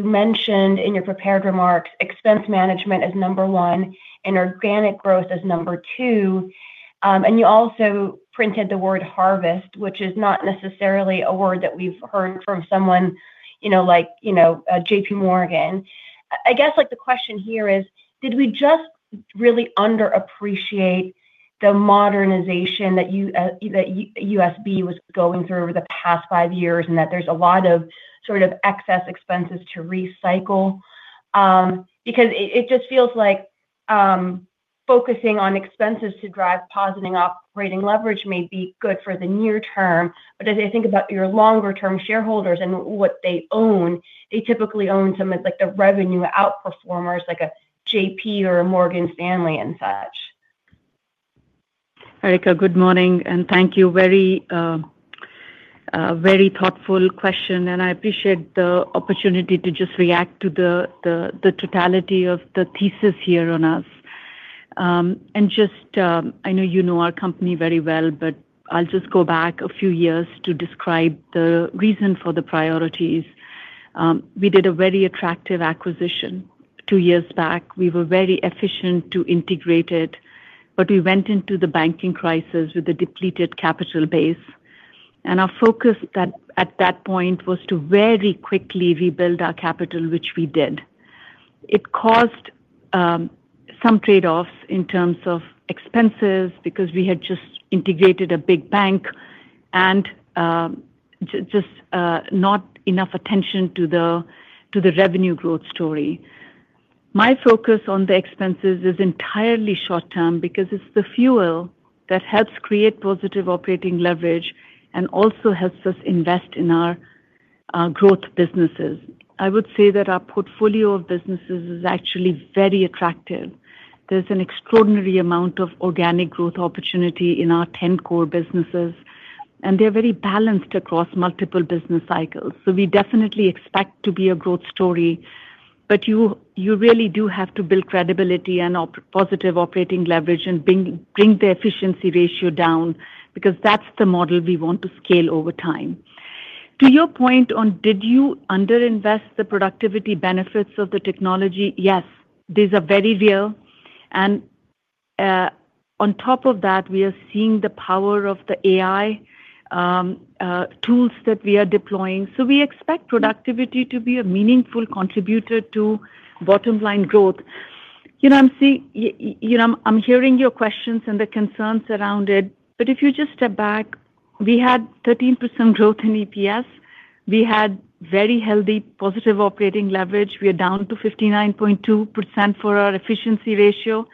mentioned in your prepared remarks expense management as number one and organic growth as number two. And you also printed the word harvest, which is not necessarily a word that we've heard from someone like JPMorgan. I guess the question here is, did we just really underappreciate the modernization that USB was going through over the past five years and that there's a lot of sort of excess expenses to recycle? Because it just feels like focusing on expenses to drive positive operating leverage may be good for the near term. But as I think about your longer-term shareholders and what they own, they typically own some of the revenue outperformers like a JP or a Morgan Stanley and such. Erika, good morning. And thank you very thoughtful question. And I appreciate the opportunity to just react to the totality of the thesis here on us. And just, I know you know our company very well, but I'll just go back a few years to describe the reason for the priorities. We did a very attractive acquisition two years back. We were very efficient to integrate it. But we went into the banking crisis with a depleted capital base. And our focus at that point was to very quickly rebuild our capital, which we did. It caused some trade-offs in terms of expenses because we had just integrated a big bank. And just not enough attention to the revenue growth story. My focus on the expenses is entirely short-term because it's the fuel that helps create positive operating leverage and also helps us invest in our growth businesses. I would say that our portfolio of businesses is actually very attractive. There's an extraordinary amount of organic growth opportunity in our 10 core businesses. And they're very balanced across multiple business cycles. So, we definitely expect to be a growth story. But you really do have to build credibility and positive operating leverage and bring the efficiency ratio down because that's the model we want to scale over time. To your point on, did you underinvest the productivity benefits of the technology? Yes. These are very real. And on top of that, we are seeing the power of the AI tools that we are deploying. So, we expect productivity to be a meaningful contributor to bottom-line growth. You know, I'm hearing your questions and the concerns around it. But if you just step back, we had 13% growth in EPS. We had very healthy positive operating leverage. We are down to 59.2% for our efficiency ratio.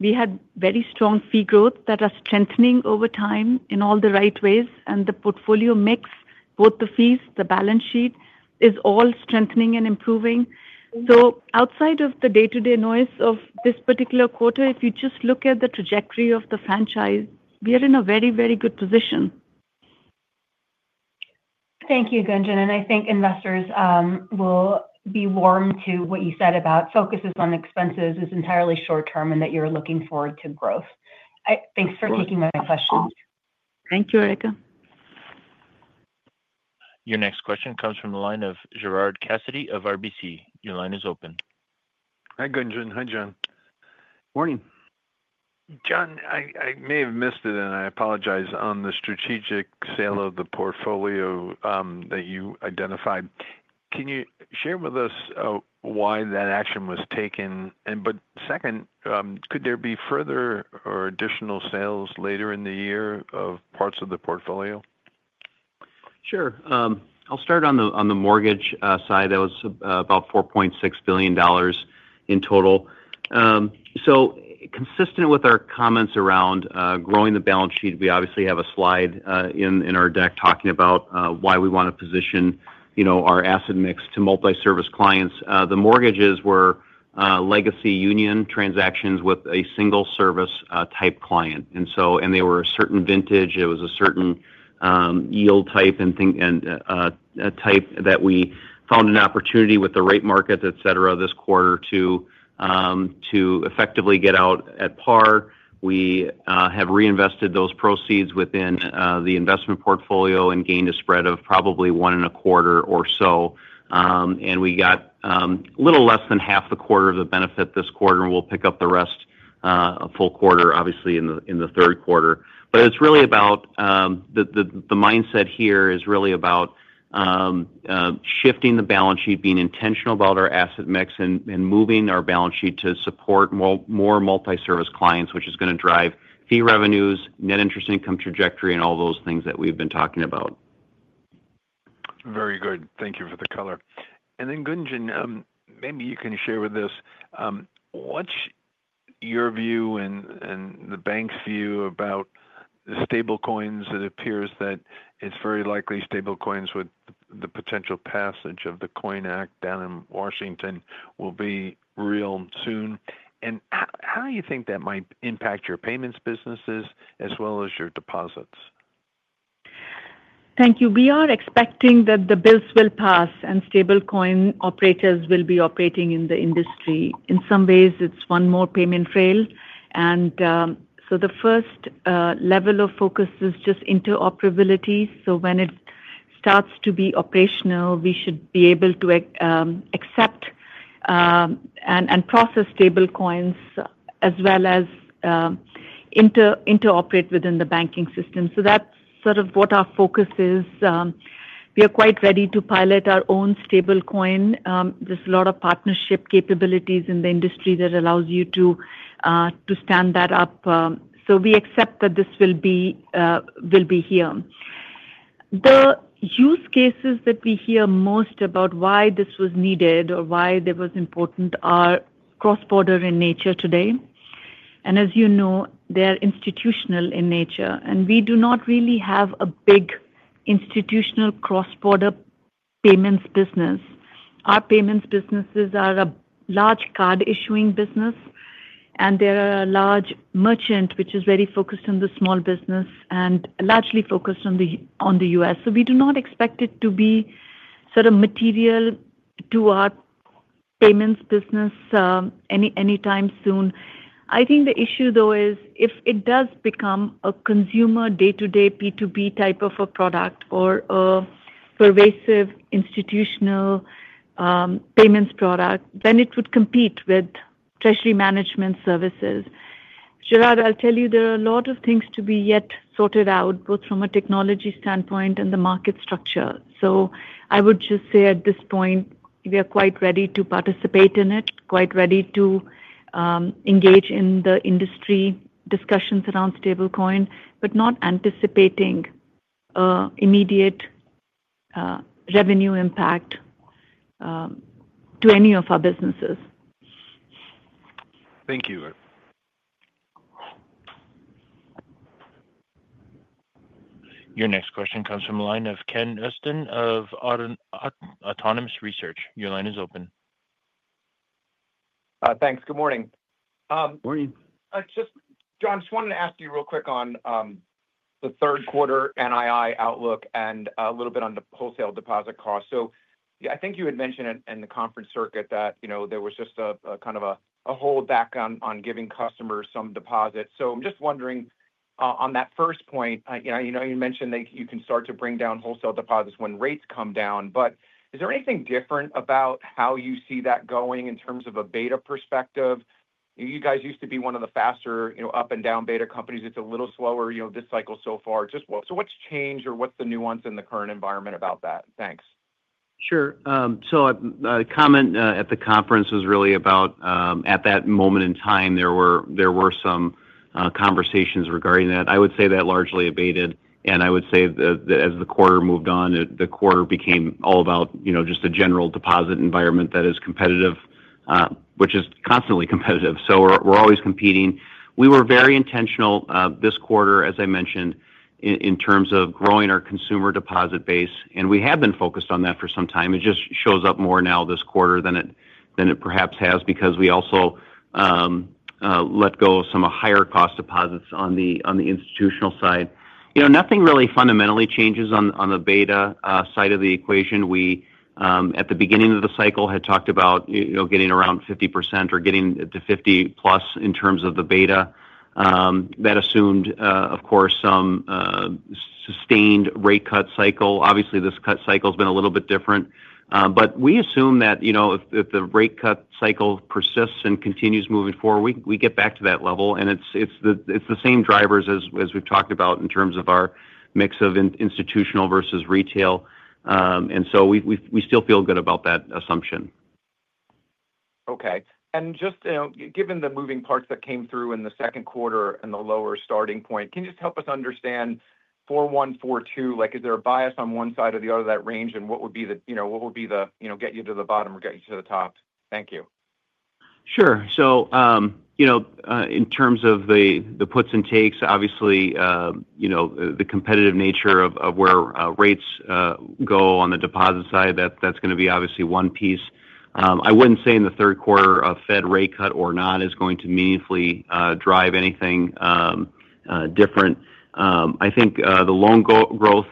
We had very strong fee growth that are strengthening over time in all the right ways. And the portfolio mix, both the fees, the balance sheet, is all strengthening and improving. So, outside of the day-to-day noise of this particular quarter, if you just look at the trajectory of the franchise, we are in a very, very good position. Thank you, Gunjan. And I think investors will be warm to what you said about focuses on expenses is entirely short-term and that you're looking forward to growth. Thanks for taking my questions. Thank you, Erika. Your next question comes from the line of Gerard Cassidy of RBC. Your line is open. Hi, Gunjan. Hi, John. Morning. John, I may have missed it, and I apologize on the strategic sale of the portfolio that you identified. Can you share with us why that action was taken? But second, could there be further or additional sales later in the year of parts of the portfolio? Sure. I'll start on the mortgage side. That was about $4.6 billion in total. So, consistent with our comments around growing the balance sheet, we obviously have a slide in our deck talking about why we want to position our asset mix to multi-service clients. The mortgages were legacy Union Bank transactions with a single-service type client. And they were a certain vintage. It was a certain yield type that we found an opportunity with the right markets, etc., this quarter to effectively get out at par. We have reinvested those proceeds within the investment portfolio and gained a spread of probably 1.25 or so. And we got a little less than half a quarter of the benefit this quarter, and we'll pick up the rest a full quarter, obviously, in the third quarter. But it's really about the mindset here is really about shifting the balance sheet, being intentional about our asset mix, and moving our balance sheet to support more multi-service clients, which is going to drive fee revenues, net interest income trajectory, and all those things that we've been talking about. Very good. Thank you for the color. And then, Gunjan, maybe you can share with us. What's your view and the bank's view about the stablecoins? It appears that it's very likely stablecoins with the potential passage of the Coin Act down in Washington will be real soon. And how do you think that might impact your payments businesses as well as your deposits? Thank you. We are expecting that the bills will pass and stablecoin operators will be operating in the industry. In some ways, it's one more payment rail. And so, the first level of focus is just interoperability. So, when it starts to be operational, we should be able to accept and process stablecoins as well as interoperate within the banking system. So, that's sort of what our focus is. We are quite ready to pilot our own stablecoin. There's a lot of partnership capabilities in the industry that allows you to stand that up. So, we accept that this will be here. The use cases that we hear most about why this was needed or why it was important are cross-border in nature today. And as you know, they are institutional in nature. And we do not really have a big institutional cross-border payments business. Our payments businesses are a large card-issuing business. And there are a large merchant, which is very focused on the small business and largely focused on the U.S. So, we do not expect it to be sort of material to our payments business anytime soon. I think the issue, though, is if it does become a consumer day-to-day P2P type of a product or a pervasive institutional payments product, then it would compete with treasury management services. Gerard, I'll tell you, there are a lot of things to be yet sorted out, both from a technology standpoint and the market structure. So, I would just say at this point, we are quite ready to participate in it, quite ready to engage in the industry discussions around stablecoin, but not anticipating immediate revenue impact to any of our businesses. Thank you. Your next question comes from the line of Ken Usdin of Autonomous Research. Your line is open. Thanks. Good morning. Morning. John, I just wanted to ask you real quick on the third quarter NII outlook and a little bit on the wholesale deposit cost. So, I think you had mentioned in the conference circuit that there was just a kind of a hold back on giving customers some deposits. So, I'm just wondering on that first point, you mentioned that you can start to bring down wholesale deposits when rates come down. But is there anything different about how you see that going in terms of a beta perspective? You guys used to be one of the faster up-and-down beta companies. It's a little slower this cycle so far. So, what's changed or what's the nuance in the current environment about that? Thanks. Sure. So, the comment at the conference was really about at that moment in time, there were some conversations regarding that. I would say that largely abated. And I would say that as the quarter moved on, the quarter became all about just a general deposit environment that is competitive, which is constantly competitive. So, we're always competing. We were very intentional this quarter, as I mentioned, in terms of growing our consumer deposit base. And we have been focused on that for some time. It just shows up more now this quarter than it perhaps has because we also let go of some higher-cost deposits on the institutional side. Nothing really fundamentally changes on the beta side of the equation. We, at the beginning of the cycle, had talked about getting around 50% or getting to 50+ in terms of the beta. That assumed, of course, some sustained rate cut cycle. Obviously, this cut cycle has been a little bit different. But we assume that if the rate cut cycle persists and continues moving forward, we get back to that level. And it's the same drivers as we've talked about in terms of our mix of institutional versus retail. And so, we still feel good about that assumption. Okay. And just given the moving parts that came through in the second quarter and the lower starting point, can you just help us understand $4.1-$4.2? Is there a bias on one side or the other of that range, and what would be the—what would be the get you to the bottom or get you to the top? Thank you. Sure. So. In terms of the puts and takes, obviously. The competitive nature of where rates go on the deposit side, that's going to be obviously one piece. I wouldn't say in the third quarter a Fed rate cut or not is going to meaningfully drive anything different. I think the loan growth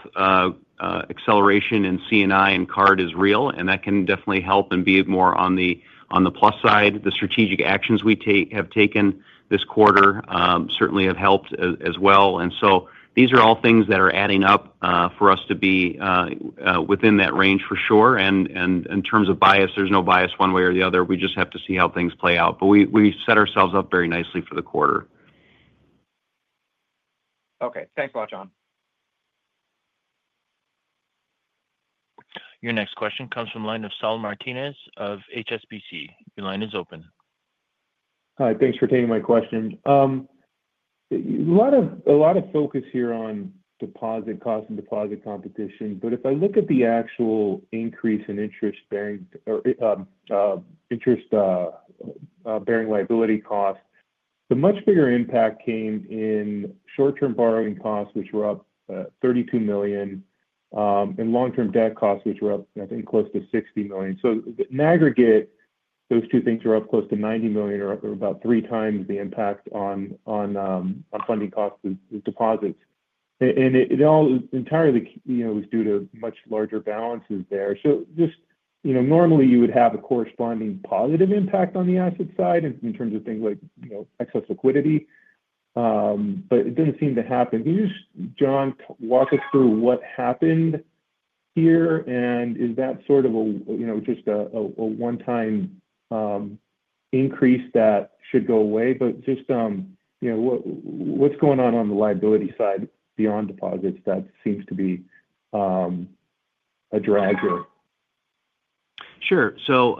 acceleration in C&I and card is real, and that can definitely help and be more on the plus side. The strategic actions we have taken this quarter certainly have helped as well. And so, these are all things that are adding up for us to be within that range for sure. And in terms of bias, there's no bias one way or the other. We just have to see how things play out. But we set ourselves up very nicely for the quarter. Okay. Thanks a lot, John. Your next question comes from the line of Saul Martinez of HSBC. Your line is open. Hi. Thanks for taking my question. A lot of focus here on deposit costs and deposit competition. But if I look at the actual increase in interest-bearing liability costs, the much bigger impact came in short-term borrowing costs, which were up $32 million, and long-term debt costs, which were up, I think, close to $60 million. So, in aggregate, those two things were up close to $90 million, or about three times the impact on funding costs with deposits. And it all entirely was due to much larger balances there. So, just normally, you would have a corresponding positive impact on the asset side in terms of things like excess liquidity. But it didn't seem to happen. Can you just, John, walk us through what happened here? And is that sort of just a one-time increase that should go away? But just, what's going on on the liability side beyond deposits that seems to be a drag here? Sure. So.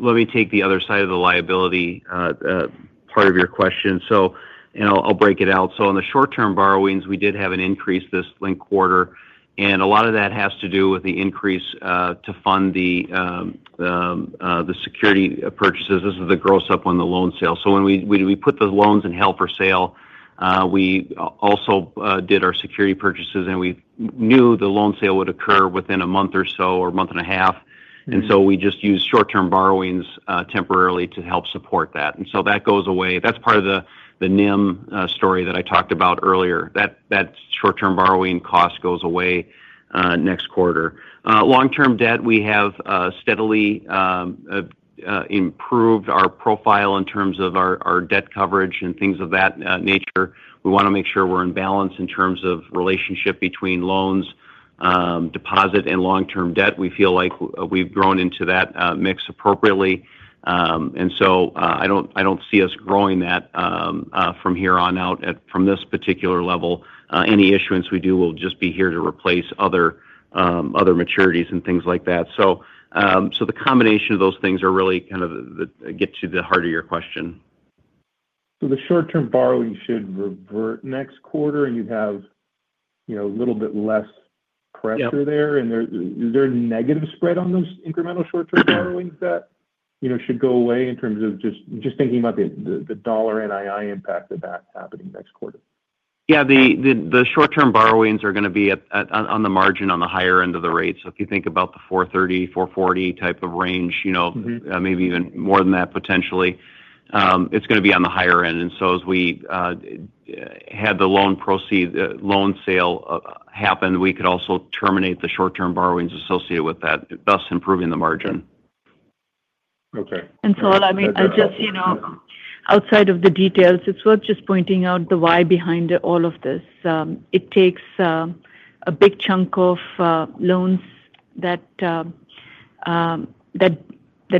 Let me take the other side of the liabilities. Part of your question. And I'll break it out. So, on the short-term borrowings, we did have an increase this linked quarter. And a lot of that has to do with the increase to fund the securities purchases. This is the gross-up on the loan sale. So, when we put those loans held for sale, we also did our securities purchases, and we knew the loan sale would occur within a month or so or a month and a half. And so, we just used short-term borrowings temporarily to help support that. And so, that goes away. That's part of the NIM story that I talked about earlier. That short-term borrowing cost goes away next quarter. Long-term debt, we have steadily improved our profile in terms of our debt coverage and things of that nature. We want to make sure we're in balance in terms of relationship between loans, deposits, and long-term debt. We feel like we've grown into that mix appropriately. And so, I don't see us growing that from here on out from this particular level. Any issuance we do will just be here to replace other maturities and things like that. So, the combination of those things are really kind of get to the heart of your question. So, the short-term borrowing should revert next quarter, and you'd have a little bit less pressure there. And is there a negative spread on those incremental short-term borrowings that should go away in terms of just thinking about the dollar NII impact of that happening next quarter? Yeah. The short-term borrowings are going to be on the margin, on the higher end of the rate. So, if you think about the 430, 440 type of range, maybe even more than that potentially, it's going to be on the higher end. And so, as we had the loan sale happen, we could also terminate the short-term borrowings associated with that, thus improving the margin. Okay. And so, I mean, just outside of the details, it's worth just pointing out the why behind all of this. It takes a big chunk of loans that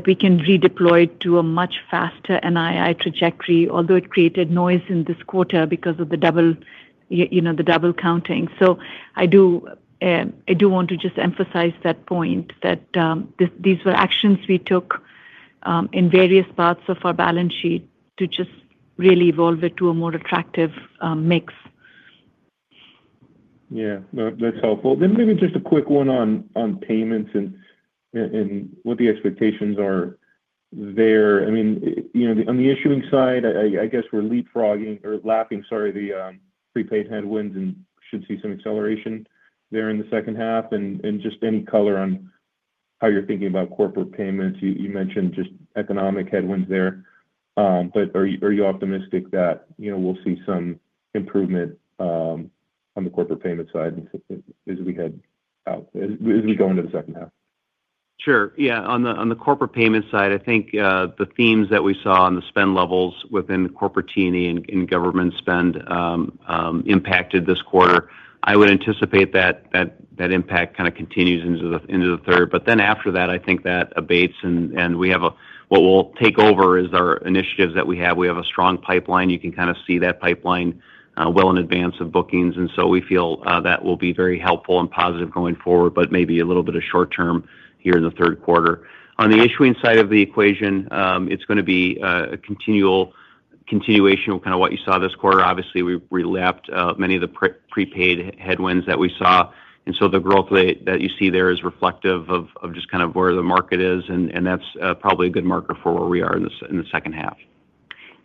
we can redeploy to a much faster NII trajectory, although it created noise in this quarter because of the double counting. So, I do want to just emphasize that point, that these were actions we took in various parts of our balance sheet to just really evolve it to a more attractive mix. Yeah. That's helpful. Then maybe just a quick one on payments and what the expectations are there. I mean, on the issuing side, I guess we're leapfrogging or lapping, sorry, the prepaid headwinds and should see some acceleration there in the second half. And just any color on how you're thinking about corporate payments. You mentioned just economic headwinds there. But are you optimistic that we'll see some improvement on the corporate payment side as we head out, as we go into the second half? Sure. Yeah. On the corporate payment side, I think the themes that we saw on the spend levels within the corporate T&E and government spend impacted this quarter. I would anticipate that impact kind of continues into the third. But then, after that, I think that abates. And what will take over is our initiatives that we have. We have a strong pipeline. You can kind of see that pipeline well in advance of bookings. And so, we feel that will be very helpful and positive going forward, but maybe a little bit of short-term here in the third quarter. On the issuing side of the equation, it's going to be a continuation of kind of what you saw this quarter. Obviously, we lapped many of the prepaid headwinds that we saw. And so, the growth that you see there is reflective of just kind of where the market is. And that's probably a good marker for where we are in the second half.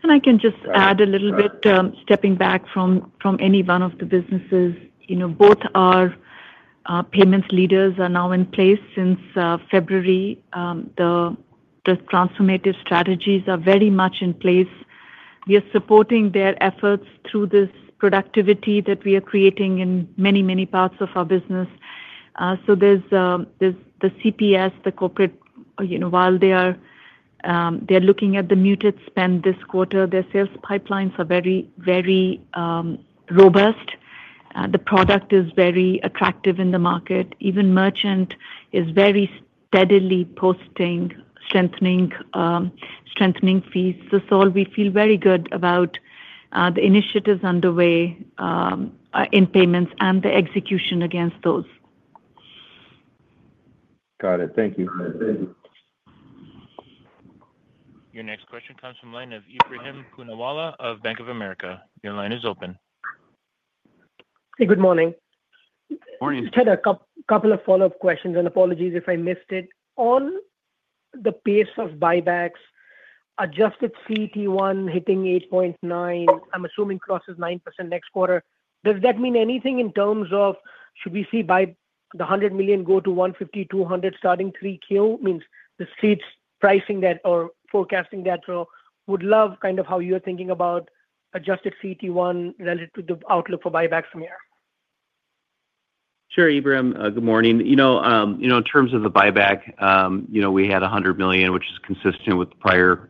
And I can just add a little bit, stepping back from any one of the businesses. Both our payments leaders are now in place since February. The transformative strategies are very much in place. We are supporting their efforts through this productivity that we are creating in many, many parts of our business. So, there's the CPS, the corporate, while they are looking at the muted spend this quarter, their sales pipelines are very robust. The product is very attractive in the market. Even merchant is very steadily posting strengthening fees. So, we feel very good about the initiatives underway in payments and the execution against those. Got it. Thank you. Your next question comes from the line of Ebrahim Poonawala of Bank of America. Your line is open. Hey, good morning. Morning. Just had a couple of follow-up questions and apologies if I missed it. On the pace of buybacks, adjusted CET1 hitting 8.9%, I'm assuming plus 9% next quarter. Does that mean anything in terms of should we see the $100 million go to $150-$200 million starting 3Q? I mean, the Street's pricing that are forecasting that. So, would love kind of how you're thinking about adjusted CET1 relative to the outlook for buybacks from here. Sure, Ebrahim. Good morning. In terms of the buyback, we had $100 million, which is consistent with the prior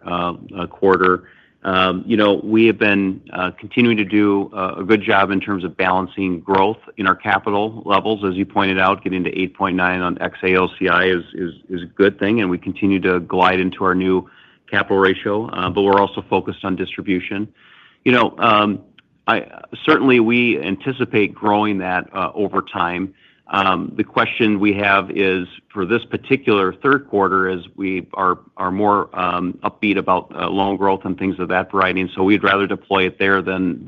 quarter. We have been continuing to do a good job in terms of balancing growth in our capital levels. As you pointed out, getting to 8.9 on ex AOCI is a good thing. And we continue to glide into our new capital ratio. But we're also focused on distribution. Certainly, we anticipate growing that over time. The question we have is, for this particular third quarter, as we are more upbeat about loan growth and things of that nature, so we'd rather deploy it there than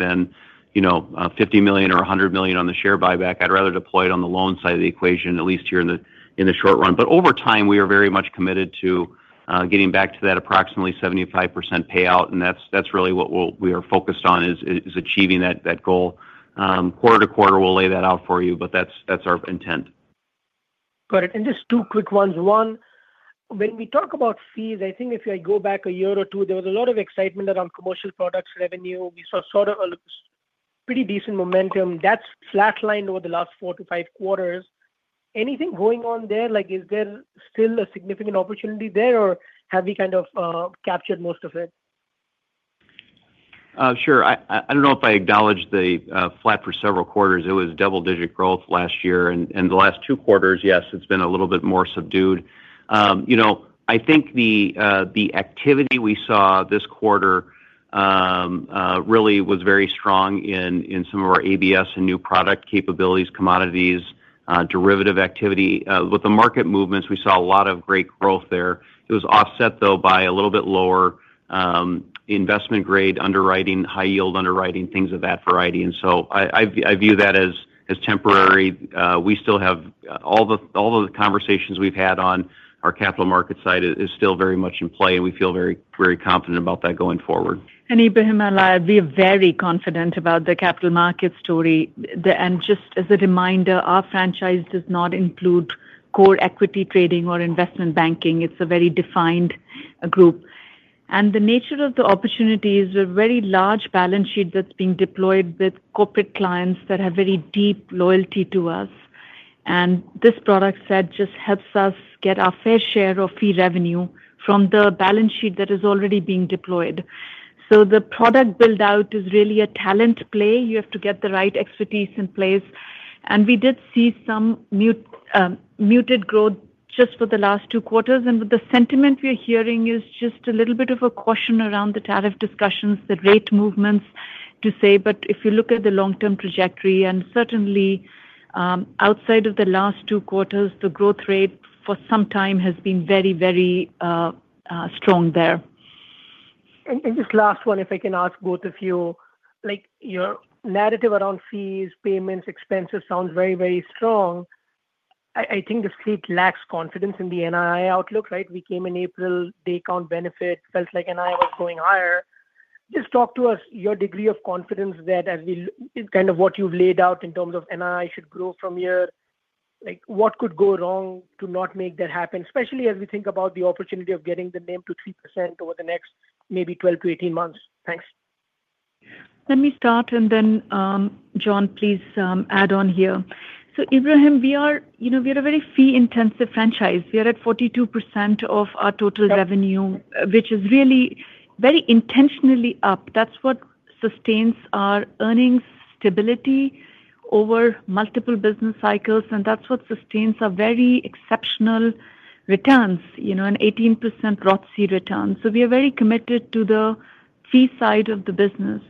$50 million or $100 million on the share buyback. I'd rather deploy it on the loan side of the equation, at least here in the short run. But over time, we are very much committed to getting back to that approximately 75% payout. And that's really what we are focused on, is achieving that goal. Quarter-to-quarter, we'll lay that out for you, but that's our intent. Got it. And just two quick ones. One, when we talk about fees, I think if I go back a year or two, there was a lot of excitement around commercial products revenue. We saw sort of a pretty decent momentum. That's flatlined over the last four to five quarters. Anything going on there? Is there still a significant opportunity there, or have we kind of captured most of it? Sure. I don't know if I acknowledged the flat for several quarters. It was double-digit growth last year, and the last two quarters, yes, it's been a little bit more subdued. I think the activity we saw this quarter really was very strong in some of our ABS and new product capabilities, commodities, derivative activity. With the market movements, we saw a lot of great growth there. It was offset, though, by a little bit lower investment grade underwriting, high-yield underwriting, things of that variety, and so, I view that as temporary. We still have all the conversations we've had on our capital market side is still very much in play, and we feel very confident about that going forward. And Ebrahim, we are very confident about the capital market story. And just as a reminder, our franchise does not include core equity trading or investment banking. It's a very defined group. And the nature of the opportunities are a very large balance sheet that's being deployed with corporate clients that have very deep loyalty to us. And this product set just helps us get our fair share of fee revenue from the balance sheet that is already being deployed. So, the product build-out is really a talent play. You have to get the right expertise in place. And we did see some muted growth just for the last two quarters. And with the sentiment we're hearing is just a little bit of a caution around the tariff discussions, the rate movements, to say. But if you look at the long-term trajectory, and certainly outside of the last two quarters, the growth rate for some time has been very, very strong there. And just last one, if I can ask both of you. Your narrative around fees, payments, expenses sounds very, very strong. I think the state lacks confidence in the NII outlook, right? We came in April, day-count benefit, felt like NII was going higher. Just talk to us your degree of confidence that as we kind of what you've laid out in terms of NII should grow from here. What could go wrong to not make that happen, especially as we think about the opportunity of getting the NIM to 3% over the next maybe 12-18 months. Thanks. Let me start, and then, John, please add on here. So, Ebrahim, we are a very fee-intensive franchise. We are at 42% of our total revenue, which is really very intentionally up. That's what sustains our earnings stability over multiple business cycles. And that's what sustains our very exceptional returns, an 18% ROTCE return. So, we are very committed to the fee side of the business.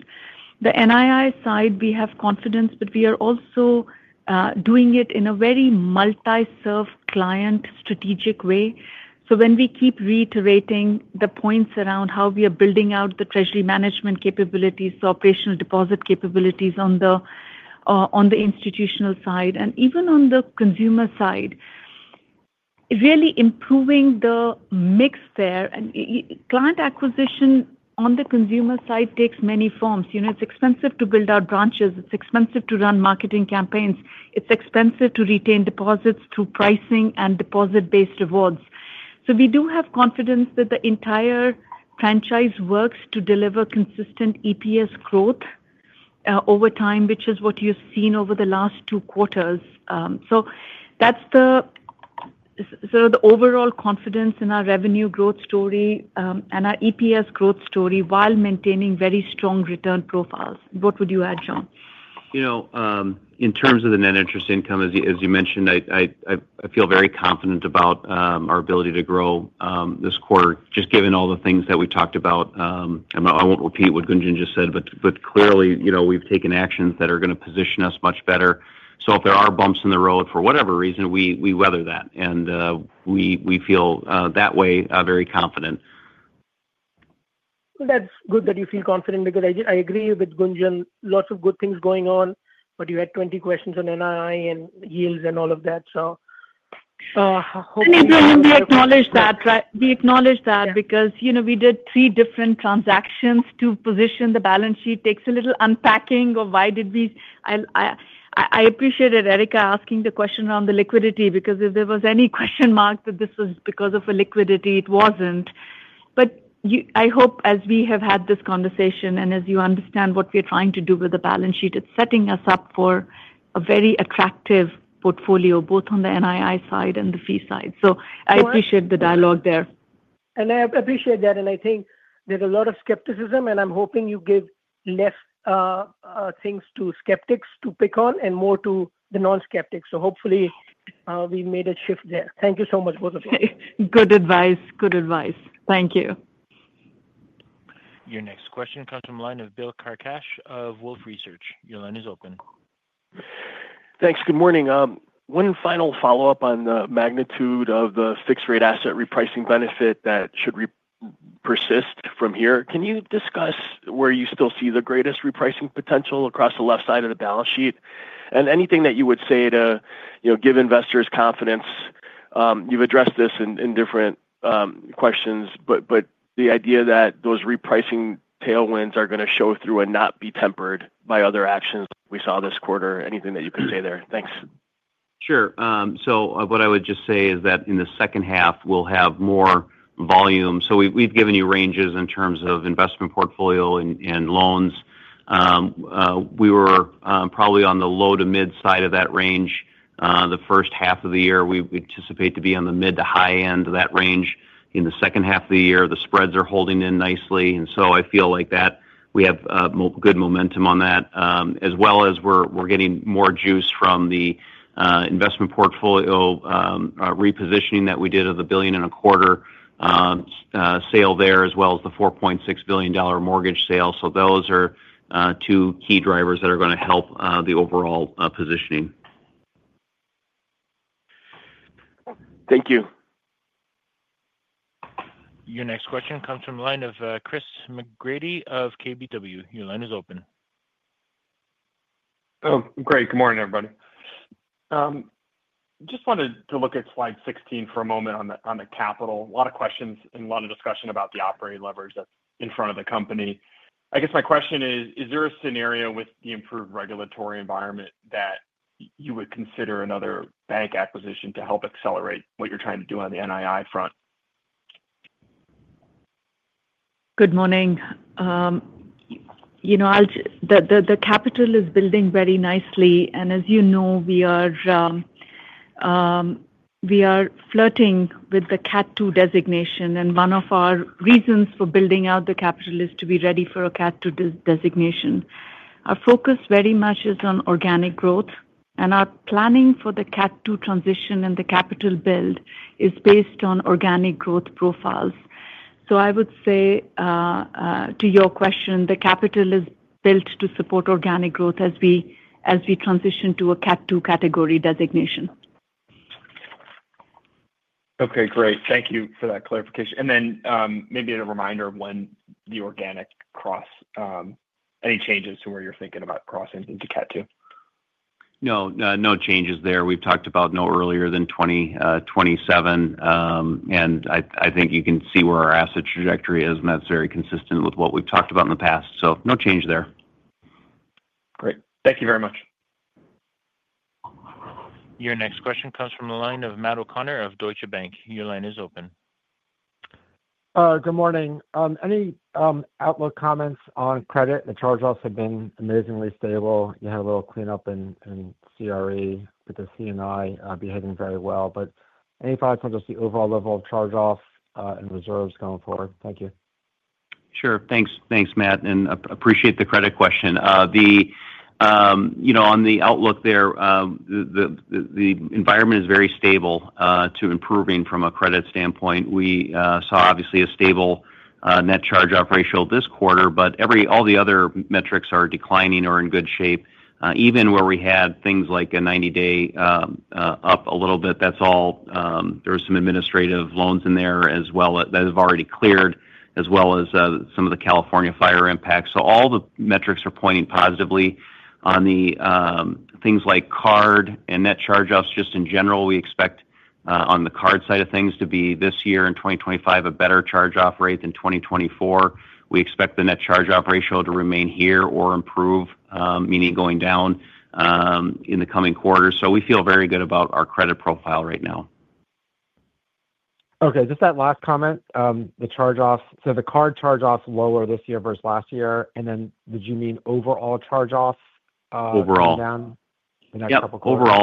The NII side, we have confidence, but we are also doing it in a very multi-served client strategic way. So, when we keep reiterating the points around how we are building out the treasury management capabilities, the operational deposit capabilities on the institutional side, and even on the consumer side. Really improving the mix there. And client acquisition on the consumer side takes many forms. It's expensive to build out branches. It's expensive to run marketing campaigns. It's expensive to retain deposits through pricing and deposit-based rewards. So, we do have confidence that the entire franchise works to deliver consistent EPS growth over time, which is what you've seen over the last two quarters. So, that's the overall confidence in our revenue growth story and our EPS growth story while maintaining very strong return profiles. What would you add, John? In terms of the net interest income, as you mentioned, I feel very confident about our ability to grow this quarter, just given all the things that we talked about. I won't repeat what Gunjan just said, but clearly, we've taken actions that are going to position us much better. So, if there are bumps in the road, for whatever reason, we weather that. And we feel that way very confident. Well, that's good that you feel confident because I agree with Gunjan. Lots of good things going on, but you had 20 questions on NII and yields and all of that. We acknowledge that, right? We acknowledge that because we did three different transactions to position the balance sheet. Takes a little unpacking of why did we. I appreciate it, Erika, asking the question around the liquidity because if there was any question mark that this was because of the liquidity, it wasn't. But I hope, as we have had this conversation and as you understand what we are trying to do with the balance sheet, it's setting us up for a very attractive portfolio, both on the NII side and the fee side. So I appreciate the dialogue there. And I appreciate that. And I think there's a lot of skepticism, and I'm hoping you give less things to skeptics to pick on and more to the non-skeptics. So hopefully we made a shift there. Thank you so much, both of you. Good advice. Good advice. Thank you. Your next question comes from the line of Bill Carcache of Wolfe Research. Your line is open. Thanks. Good morning. One final follow-up on the magnitude of the fixed-rate asset repricing benefit that should persist from here. Can you discuss where you still see the greatest repricing potential across the left side of the balance sheet? And anything that you would say to give investors confidence. You've addressed this in different questions, but the idea that those repricing tailwinds are going to show through and not be tempered by other actions we saw this quarter, anything that you could say there? Thanks. Sure. So, what I would just say is that in the second half, we'll have more volume, so we've given you ranges in terms of investment portfolio and loans. We were probably on the low to mid side of that range the first half of the year. We anticipate to be on the mid to high end of that range in the second half of the year. The spreads are holding in nicely, and so I feel like we have good momentum on that, as well as we're getting more juice from the investment portfolio repositioning that we did of the $1.25 billion sale there, as well as the $4.6 billion mortgage sale. So, those are two key drivers that are going to help the overall positioning. Thank you. Your next question comes from the line of Chris McGratty of KBW. Your line is open. Oh, great. Good morning, everybody. Just wanted to look at slide 16 for a moment on the capital. A lot of questions and a lot of discussion about the operating leverage that's in front of the company. I guess my question is, is there a scenario with the improved regulatory environment that you would consider another bank acquisition to help accelerate what you're trying to do on the NII front? Good morning. The capital is building very nicely. And as you know, we are flirting with the Cat II designation. And one of our reasons for building out the capital is to be ready for a Cat II designation. Our focus very much is on organic growth. And our planning for the Cat II transition and the capital build is based on organic growth profiles. So, I would say to your question, the capital is built to support organic growth as we transition to a Cat II category designation. Okay, great. Thank you for that clarification. And then maybe a reminder of when the organic cross. Any changes to where you're thinking about crossing into Cat II? No, no changes there. We've talked about no earlier than 2027. And I think you can see where our asset trajectory is, and that's very consistent with what we've talked about in the past. So, no change there. Great. Thank you very much. Your next question comes from the line of Matt O'Connor of Deutsche Bank. Your line is open. Good morning. Any outlook comments on credit? The charge-offs have been amazingly stable. You had a little cleanup in CRE, but the C&I behaving very well. But any thoughts on just the overall level of charge-off and reserves going forward? Thank you. Sure. Thanks, Matt. And appreciate the credit question. On the outlook there. The environment is very stable to improving from a credit standpoint. We saw, obviously, a stable net charge-off ratio this quarter, but all the other metrics are declining or in good shape. Even where we had things like a 90-day up a little bit, that's all. There were some administrative loans in there as well that have already cleared, as well as some of the California fire impacts. So, all the metrics are pointing positively on the things like card and net charge-offs just in general. We expect on the card side of things to be this year and 2025 a better charge-off rate than 2024. We expect the net charge-off ratio to remain here or improve, meaning going down in the coming quarter. So, we feel very good about our credit profile right now. Okay. Just that last comment, the charge-offs. So, the card charge-offs lower this year versus last year. And then did you mean overall charge-offs? Overall. Coming down in that couple of quarters? Yeah. Overall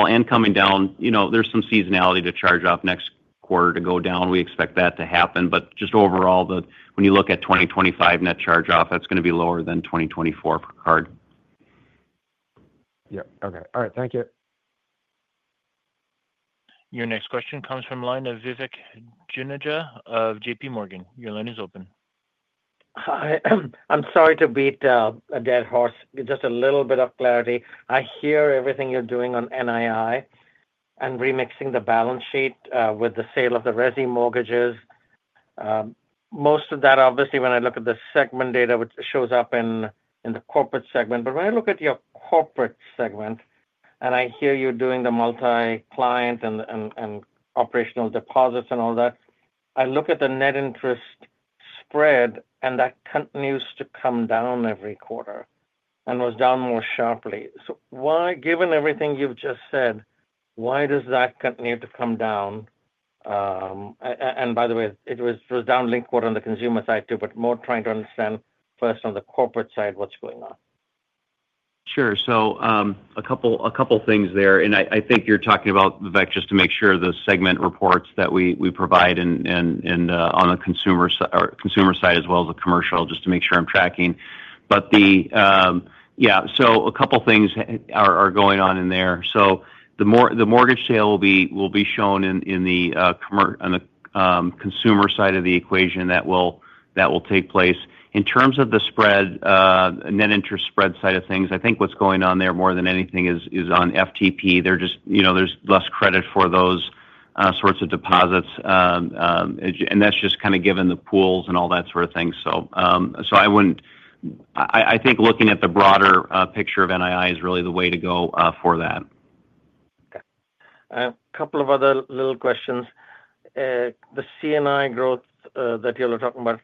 and coming down. There's some seasonality to charge-off next quarter to go down. We expect that to happen. But just overall, when you look at 2025 net charge-off, that's going to be lower than 2024 for card. Yeah. Okay. All right. Thank you. Your next question comes from the line of Vivek Juneja of JPMorgan. Your line is open. Hi. I'm sorry to beat a dead horse. Just a little bit of clarity. I hear everything you're doing on NII and remixing the balance sheet with the sale of the resi mortgages. Most of that, obviously, when I look at the segment data, which shows up in the corporate segment. But when I look at your corporate segment, and I hear you doing the multi-client and operational deposits and all that, I look at the net interest spread, and that continues to come down every quarter and was down more sharply. So, given everything you've just said, why does that continue to come down? And by the way, it was down linked quarter on the consumer side too, but more trying to understand first on the corporate side what's going on. Sure. So, a couple of things there, and I think you're talking about, Vivek, just to make sure the segment reports that we provide on the consumer side, as well as the commercial, just to make sure I'm tracking. But yeah, so a couple of things are going on in there, so the mortgage sale will be shown in the consumer side of the equation that will take place in terms of the spread, net interest spread side of things. I think what's going on there more than anything is on FTP. There's less credit for those sorts of deposits, and that's just kind of given the pools and all that sort of thing, so I think looking at the broader picture of NII is really the way to go for that. Okay. A couple of other little questions. The C&I growth that you were talking about,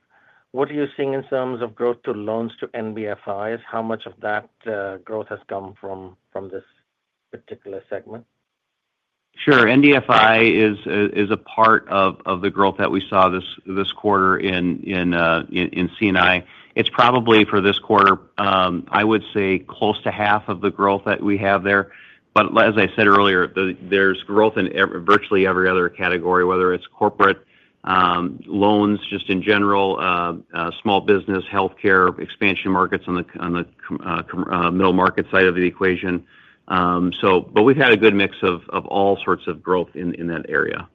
what are you seeing in terms of growth to loans to NBFIs? How much of that growth has come from this particular segment? Sure. NBFI is a part of the growth that we saw this quarter in C&I. It's probably for this quarter, I would say, close to half of the growth that we have there. But as I said earlier, there's growth in virtually every other category, whether it's corporate loans just in general, small business, health care, expansion markets on the middle market side of the equation. But we've had a good mix of all sorts of growth in that area.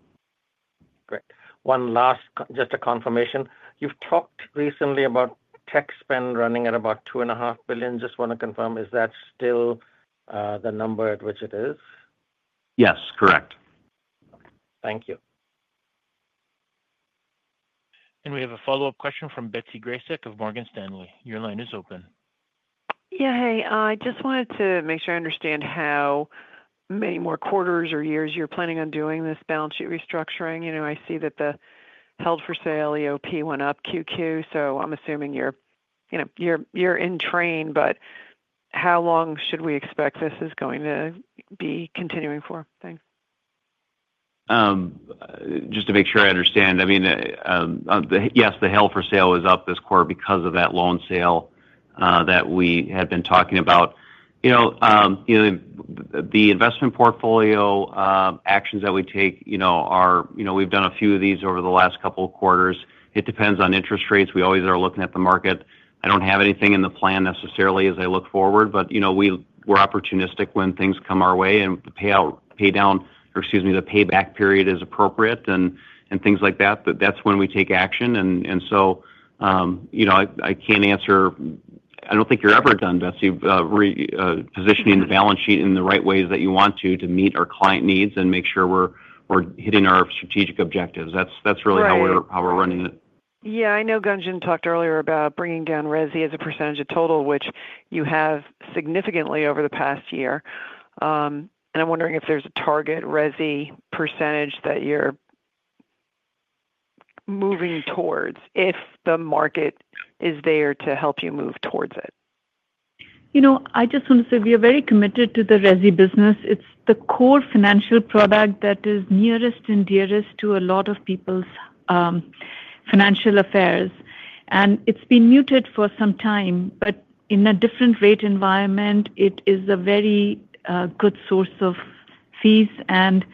Great. One last, just a confirmation. You've talked recently about tech spend running at about $2.5 billion. Just want to confirm, is that still the number at which it is? Yes. Correct. Okay. Thank you. We have a follow-up question from Betsy Graseck of Morgan Stanley. Your line is open. Yeah. Hey. I just wanted to make sure I understand how many more quarters or years you're planning on doing this balance sheet restructuring. I see that the held for sale EOP went up q/q, so I'm assuming you're in train. But how long should we expect this is going to be continuing for? Thanks. Just to make sure I understand. I mean. Yes, the held for sale is up this quarter because of that loan sale that we had been talking about. The investment portfolio actions that we take are, we've done a few of these over the last couple of quarters. It depends on interest rates. We always are looking at the market. I don't have anything in the plan necessarily as I look forward, but we're opportunistic when things come our way. And the payout paydown, or excuse me, the payback period is appropriate and things like that. That's when we take action. And so. I can't answer. I don't think you're ever done, Betsy. Positioning the balance sheet in the right ways that you want to meet our client needs and make sure we're hitting our strategic objectives. That's really how we're running it. Yeah. I know Gunjan talked earlier about bringing down resi as a percentage of total, which you have significantly over the past year. And I'm wondering if there's a target resi percentage that you're moving towards if the market is there to help you move towards it. I just want to say we are very committed to the resi business. It's the core financial product that is nearest and dearest to a lot of people's financial affairs, and it's been muted for some time, but in a different rate environment, it is a very good source of fees and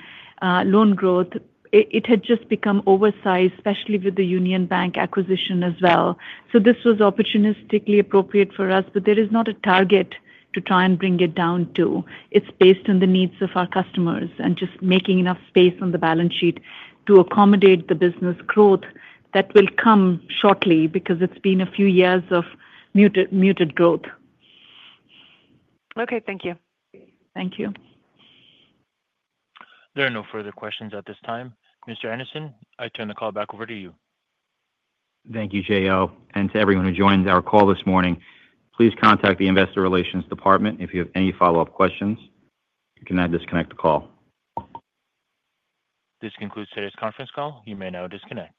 loan growth. It had just become oversized, especially with the Union Bank acquisition as well, so this was opportunistically appropriate for us, but there is not a target to try and bring it down to. It's based on the needs of our customers and just making enough space on the balance sheet to accommodate the business growth that will come shortly because it's been a few years of muted growth. Okay. Thank you. Thank you. There are no further questions at this time. Mr. Andersen, I turn the call back over to you. Thank you, J.O. To everyone who joined our call this morning, please contact the Investor Relations department if you have any follow-up questions. You can now disconnect the call. This concludes today's conference call. You may now disconnect.